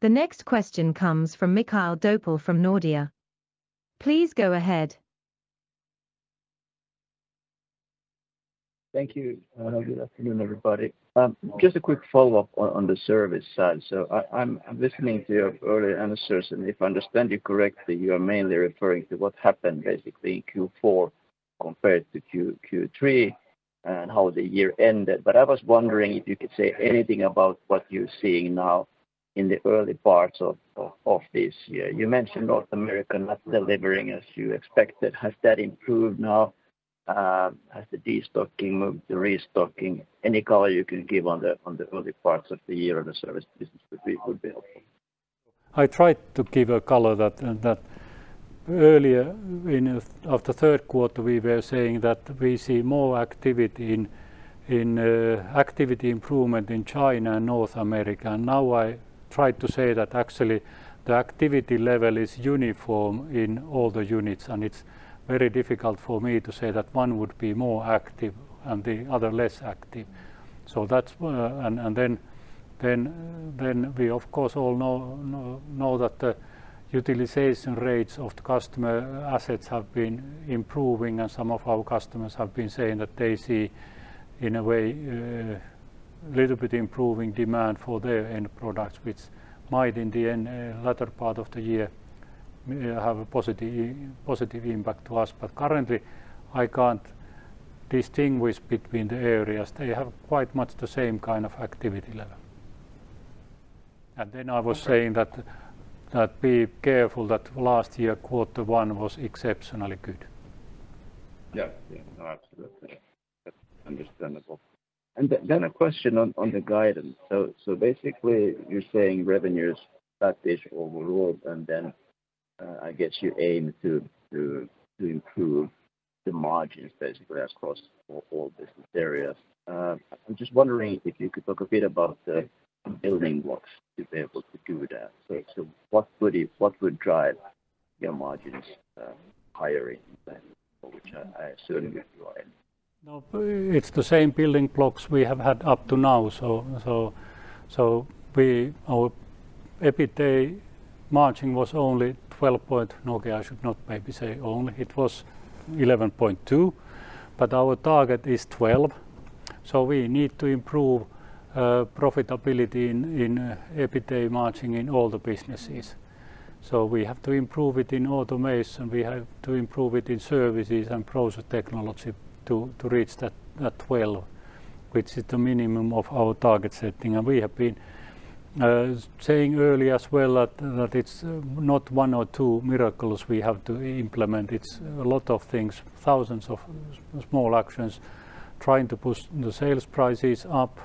The next question comes from Mikael Doepel from Nordea. Please go ahead. Thank you, and good afternoon, everybody. Just a quick follow-up on the service side. So I'm listening to your earlier answers, and if I understand you correctly, you are mainly referring to what happened basically in Q4 compared to Q3 and how the year ended. But I was wondering if you could say anything about what you're seeing now in the early parts of this year. You mentioned North America not delivering as you expected. Has that improved now? Has the destocking, the restocking... Any color you can give on the early parts of the year on the service business would be helpful. I tried to give a color that and that earlier in of the third quarter, we were saying that we see more activity in activity improvement in China and North America. And now I tried to say that actually the activity level is uniform in all the units, and it's very difficult for me to say that one would be more active and the other less active. So that's. And then we, of course, all know that the utilization rates of the customer assets have been improving, and some of our customers have been saying that they see, in a way, little bit improving demand for their end products, which might in the end latter part of the year have a positive impact to us. But currently, I can't distinguish between the areas. They have quite much the same kind of activity level. Then I was saying that be careful that last year, quarter one was exceptionally good. Yeah. No, absolutely. That's understandable. And then a question on the guidance. So basically, you're saying revenues flat-ish overall, and then I guess you aim to improve the margins basically across all business areas. I'm just wondering if you could talk a bit about the building blocks to be able to do that. So what would drive your margins higher than which I assume you are in? No, it's the same building blocks we have had up to now. So our EBITDA margin was only 12%—okay, I should not maybe say only. It was 11.2%, but our target is 12%, so we need to improve profitability in EBITDA margin in all the businesses. So we have to improve it in Automation, we have to improve it in Services and Process Technology to reach that 12%, which is the minimum of our target setting. And we have been saying earlier as well that it's not one or two miracles we have to implement. It's a lot of things, thousands of small actions, trying to push the sales prices up,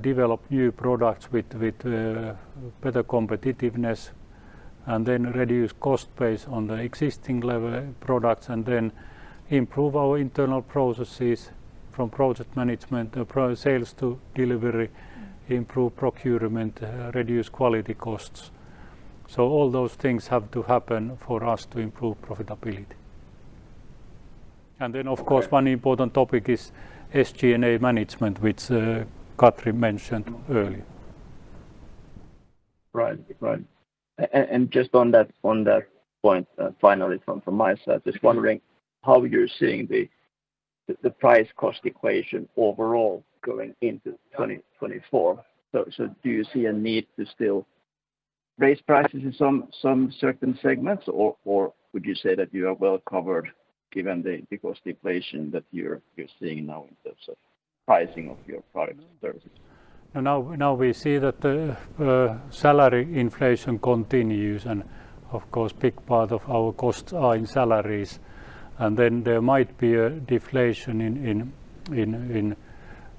develop new products with, with, better competitiveness, and then reduce cost base on the existing level products, and then improve our internal processes from project management, sales to delivery, improve procurement, reduce quality costs. So all those things have to happen for us to improve profitability. And then, of course, one important topic is SG&A management, which, Katri mentioned earlier. Right. Right. And just on that, on that point, finally from my side, just wondering how you're seeing the price cost equation overall going into 2024. So, do you see a need to still raise prices in some certain segments, or would you say that you are well covered given the cost deflation that you're seeing now in terms of pricing of your products and services? Now, we see that the salary inflation continues, and of course, big part of our costs are in salaries, and then there might be a deflation in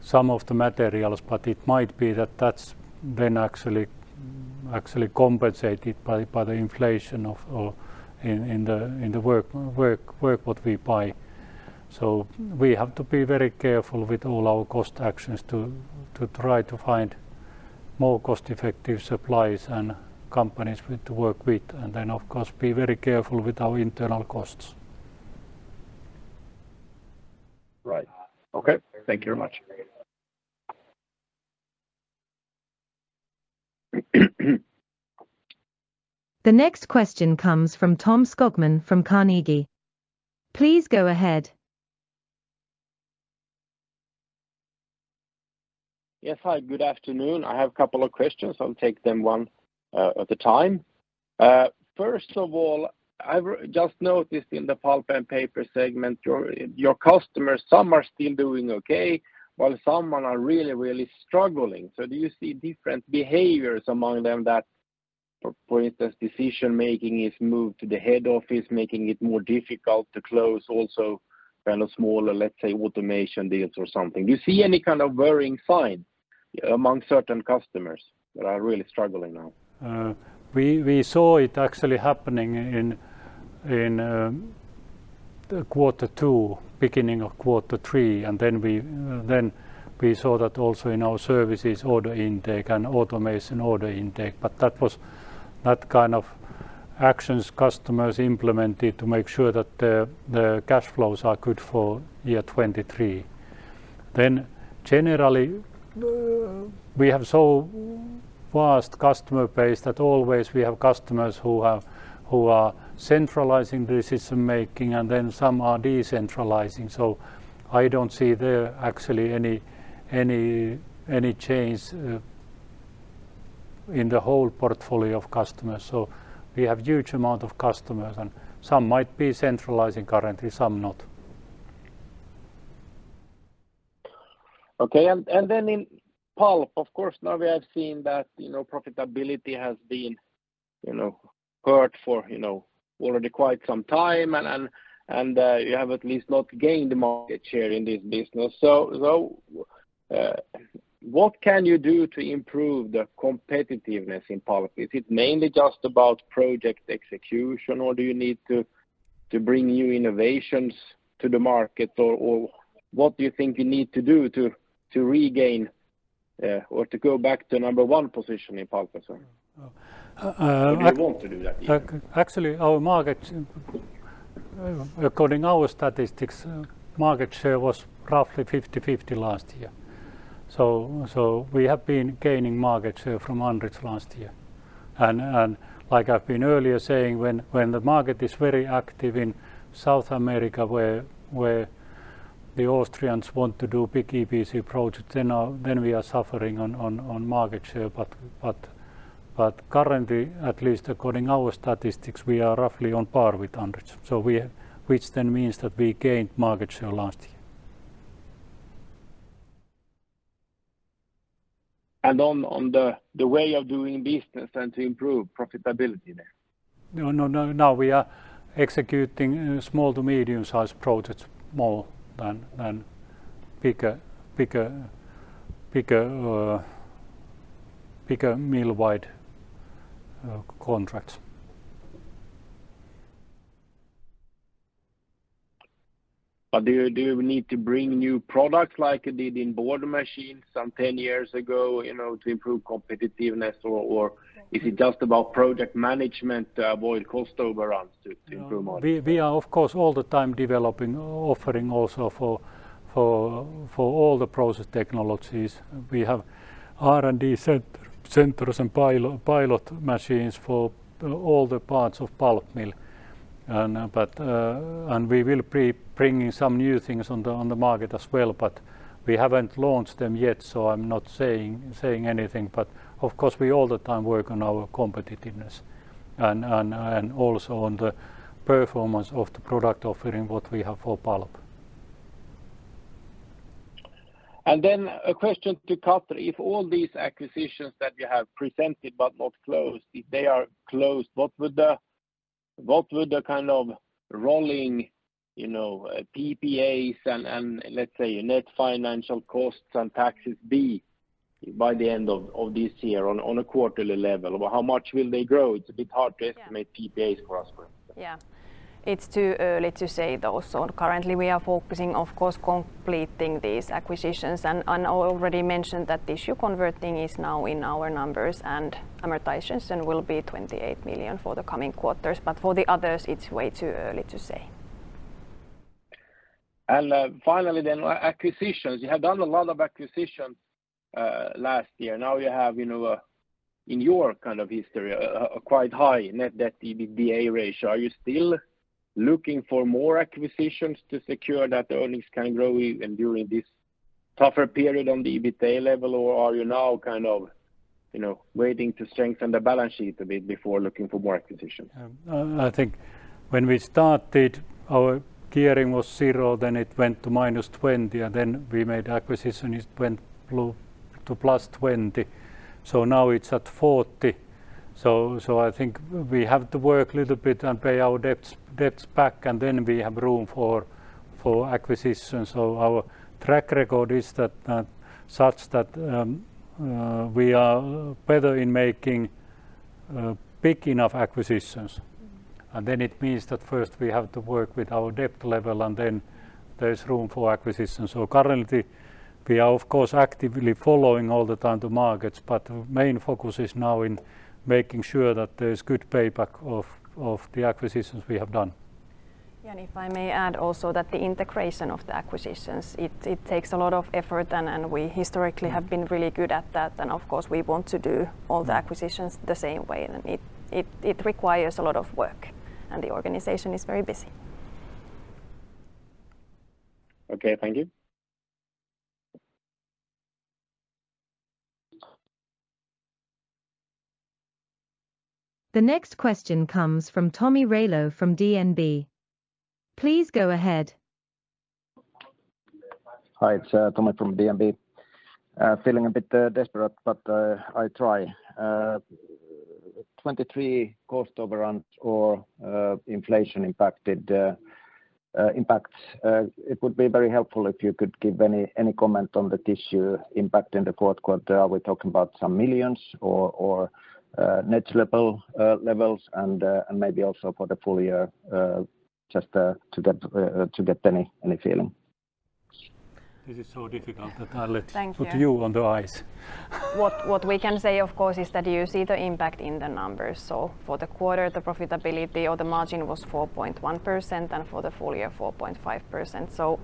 some of the materials, but it might be that that's then actually compensated by the inflation in the work what we buy. So we have to be very careful with all our cost actions to try to find more cost-effective supplies and companies we work with, and then, of course, be very careful with our internal costs. Right. Okay. Thank you very much. The next question comes from Tom Skogman from Carnegie. Please go ahead. Yes, hi, good afternoon. I have a couple of questions. I'll take them one at a time. First of all, I've just noticed in the Pulp and Paper segment, your customers, some are still doing okay, while some are really, really struggling. So do you see different behaviors among them that, for instance, decision-making is moved to the head office, making it more difficult to close, also kind of smaller, let's say, Automation deals or something? Do you see any kind of worrying sign among certain customers that are really struggling now? We saw it actually happening in quarter two, beginning of quarter three, and then we saw that also in our Services order intake and Automation order intake. But that was that kind of actions customers implemented to make sure that the cash flows are good for year 2023. Then generally, we have so vast customer base that always we have customers who are centralizing decision-making, and then some are decentralizing. So I don't see there actually any change in the whole portfolio of customers. So we have huge amount of customers, and some might be centralizing currently, some not. Okay. And then in Pulp, of course, now we have seen that, you know, profitability has been, you know, hurt for, you know, already quite some time, and you have at least not gained market share in this business. So, what can you do to improve the competitiveness in Pulp? Is it mainly just about project execution, or do you need to bring new innovations to the market? Or what do you think you need to do to regain, or to go back to number one position in Pulp also? Uh, uh, I- Do you want to do that even? Actually, our market, according to our statistics, market share was roughly 50/50 last year. So we have been gaining market share from Andritz last year. And like I've been earlier saying, when the market is very active in South America, where the Austrians want to do big EPC projects, then we are suffering on market share. But currently, at least according to our statistics, we are roughly on par with Andritz. So which then means that we gained market share last year. And on the way of doing business and to improve profitability there? No, no, no, now we are executing small- to medium-sized projects more than bigger, bigger, bigger, bigger mill-wide contracts. But do you, do you need to bring new products like you did in Board machines some 10 years ago, you know, to improve competitiveness? Or, or is it just about project management to avoid cost overruns to, to improve market? We are, of course, all the time developing, offering also for all the Process Technologies. We have R&D centers and pilot machines for all the parts of Pulp mill. But we will be bringing some new things on the market as well, but we haven't launched them yet, so I'm not saying anything. But of course, we all the time work on our competitiveness and also on the performance of the product offering what we have for Pulp. Then a question to Katri. If all these acquisitions that you have presented but not closed, if they are closed, what would the kind of rolling, you know, PPAs and, and let's say, net financial costs and taxes be by the end of this year on a quarterly level? How much will they grow? It's a bit hard to- Yeah... estimate PPAs cross for. Yeah. It's too early to say those. So currently, we are focusing, of course, completing these acquisitions. And I already mentioned that the Tissue Converting is now in our numbers and amortizations, and will be 28 million for the coming quarters. But for the others, it's way too early to say. Finally, then, acquisitions. You have done a lot of acquisitions last year. Now you have, you know, in your kind of history, quite high net debt to EBITDA ratio. Are you still looking for more acquisitions to secure that the earnings can grow even during this tougher period on the EBITDA level? Or are you now kind of, you know, waiting to strengthen the balance sheet a bit before looking for more acquisitions? I think when we started, our gearing was 0%, then it went up to +20%. So now it's at 40%. So I think we have to work a little bit and pay our debts back, and then we have room for acquisitions. So our track record is that such that we are better in making big enough acquisitions. And then it means that first we have to work with our debt level, and then there's room for acquisition. So currently, we are, of course, actively following all the time the markets, but the main focus is now in making sure that there's good payback of the acquisitions we have done. And if I may add also that the integration of the acquisitions, it takes a lot of effort, and we historically have been really good at that. And of course, we want to do all the acquisitions the same way, and it requires a lot of work, and the organization is very busy. Okay, thank you. The next question comes from Tomi Railo from DNB. Please go ahead. Hi, it's Tomi from DNB. Feeling a bit desperate, but I try. 2023 cost overruns or inflation impacted impacts. It would be very helpful if you could give any comment on the issue impacting the fourth quarter. Are we talking about some millions or next level levels and maybe also for the full year, just to get any feeling? This is so difficult that I'll let- Thank you. -put you on the ice. What we can say, of course, is that you see the impact in the numbers. So for the quarter, the profitability or the margin was 4.1%, and for the full year, 4.5%. So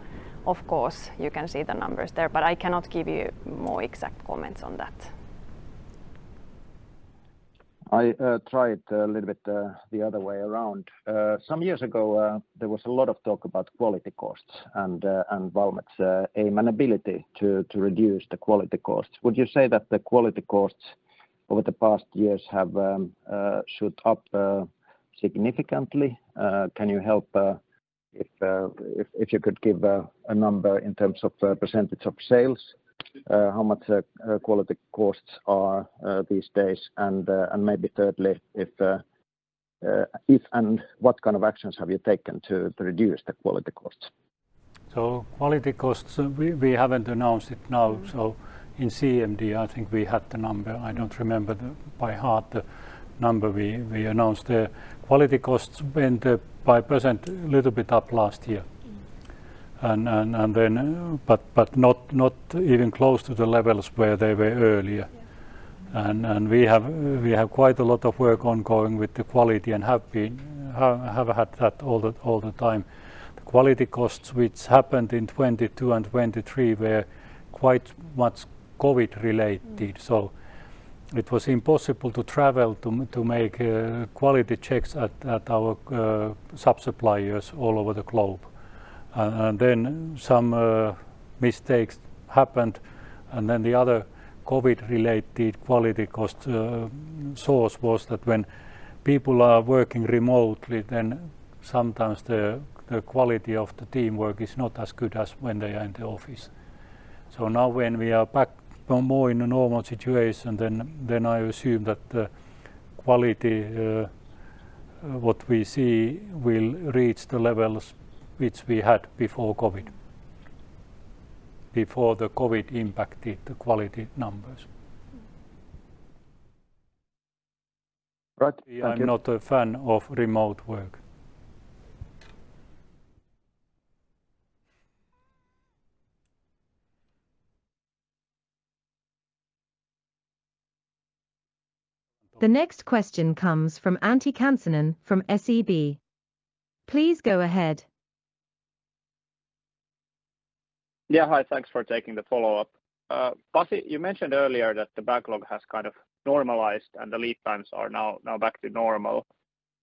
of course, you can see the numbers there, but I cannot give you more exact comments on that. I try it a little bit the other way around. Some years ago there was a lot of talk about quality costs and Valmet's aim and ability to reduce the quality costs. Would you say that the quality costs over the past years have shoot up significantly? Can you help if you could give a number in terms of percentage of sales how much quality costs are these days? And maybe thirdly, if and what kind of actions have you taken to reduce the quality costs? So quality costs, we haven't announced it now. So in CMD, I think we had the number. I don't remember the number by heart we announced there. Quality costs went by percent a little bit up last year. Mm-hmm. But not even close to the levels where they were earlier. Yeah. We have quite a lot of work ongoing with the quality and have been have had that all the time. The quality costs, which happened in 2022 and 2023, were quite much COVID-related. Mm-hmm. So it was impossible to travel to make quality checks at our sub-suppliers all over the globe. And then some mistakes happened, and then the other COVID-related quality cost source was that when people are working remotely, then sometimes the quality of the teamwork is not as good as when they are in the office. So now when we are back more in a normal situation, then I assume that the quality what we see will reach the levels which we had before COVID, before the COVID impacted the quality numbers. Right. Thank you. I'm not a fan of remote work. The next question comes from Antti Kansanen from SEB. Please go ahead. Yeah, hi. Thanks for taking the follow-up. Pasi, you mentioned earlier that the backlog has kind of normalized, and the lead times are now back to normal.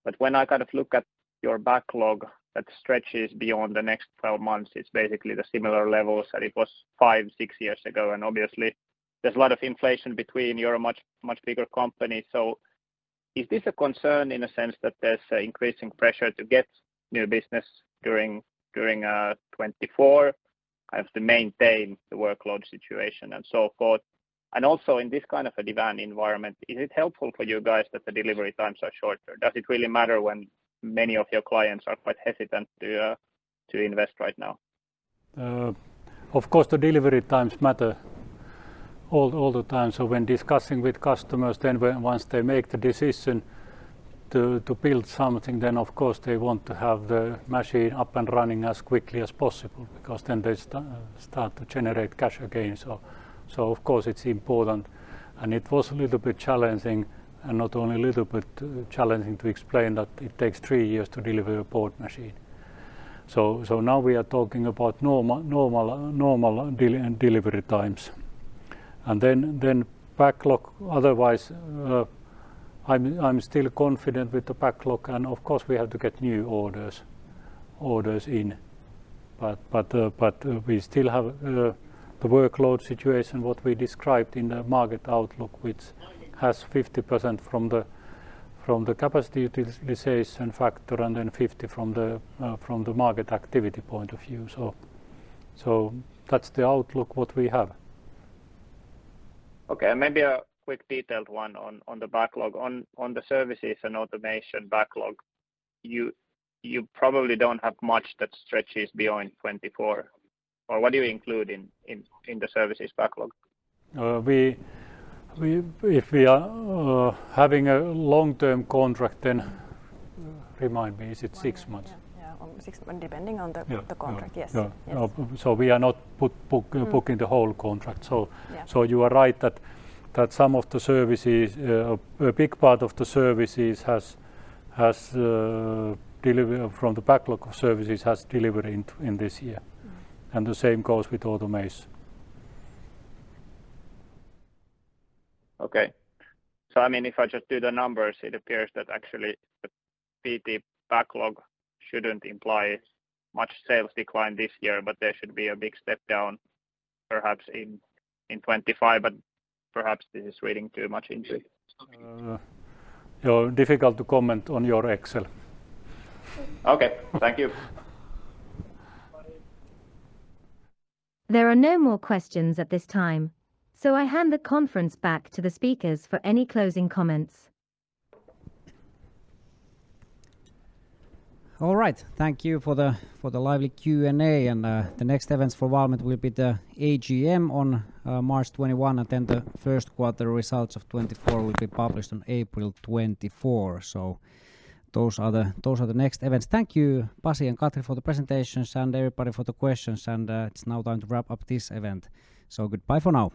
But when I kind of look at your backlog that stretches beyond the next 12 months, it's basically the similar levels that it was five/six years ago, and obviously, there's a lot of inflation between. You're a much, much bigger company. So is this a concern in the sense that there's increasing pressure to get new business during 2024 as to maintain the workload situation and so forth? And also, in this kind of a demand environment, is it helpful for you guys that the delivery times are shorter? Does it really matter when many of your clients are quite hesitant to invest right now? Of course, the delivery times matter all the time. So when discussing with customers, once they make the decision to build something, then, of course, they want to have the machine up and running as quickly as possible because then they start to generate cash again. So, of course, it's important, and it was a little bit challenging, and not only a little bit challenging, to explain that it takes three years to deliver a Board machine. So now we are talking about normal delivery times. Then backlog. Otherwise, I'm still confident with the backlog, and of course, we have to get new orders in, but we still have the workload situation, what we described in the market outlook, which has 50% from the capacity utilization factor and then 50% from the market activity point of view. So, that's the outlook what we have. Okay, and maybe a quick detailed one on the backlog. On the Services and Automation backlog, you probably don't have much that stretches beyond 24, or what do you include in the Services backlog? If we are having a long-term contract, then remind me, is it six months? Yeah, six months, depending on the- Yeah... the contract, yes. Yeah. Yes. So we are not put booking- Mm... booking the whole contract. So- Yeah... so you are right that some of the Services, a big part of the Services has delivery from the backlog of Services has delivered in this year. Mm-hmm. The same goes with Automation. Okay. So I mean, if I just do the numbers, it appears that actually the PT backlog shouldn't imply much sales decline this year, but there should be a big step down, perhaps in 2025, but perhaps this is reading too much into it. So difficult to comment on your Excel. Okay. Thank you. There are no more questions at this time, so I hand the conference back to the speakers for any closing comments. All right. Thank you for the, for the lively Q&A, and, the next events for Valmet will be the AGM on, March 21, and then the first quarter results of 2024 will be published on April 24. So those are the, those are the next events. Thank you, Pasi and Katri, for the presentations and everybody for the questions, and, it's now time to wrap up this event. So goodbye for now.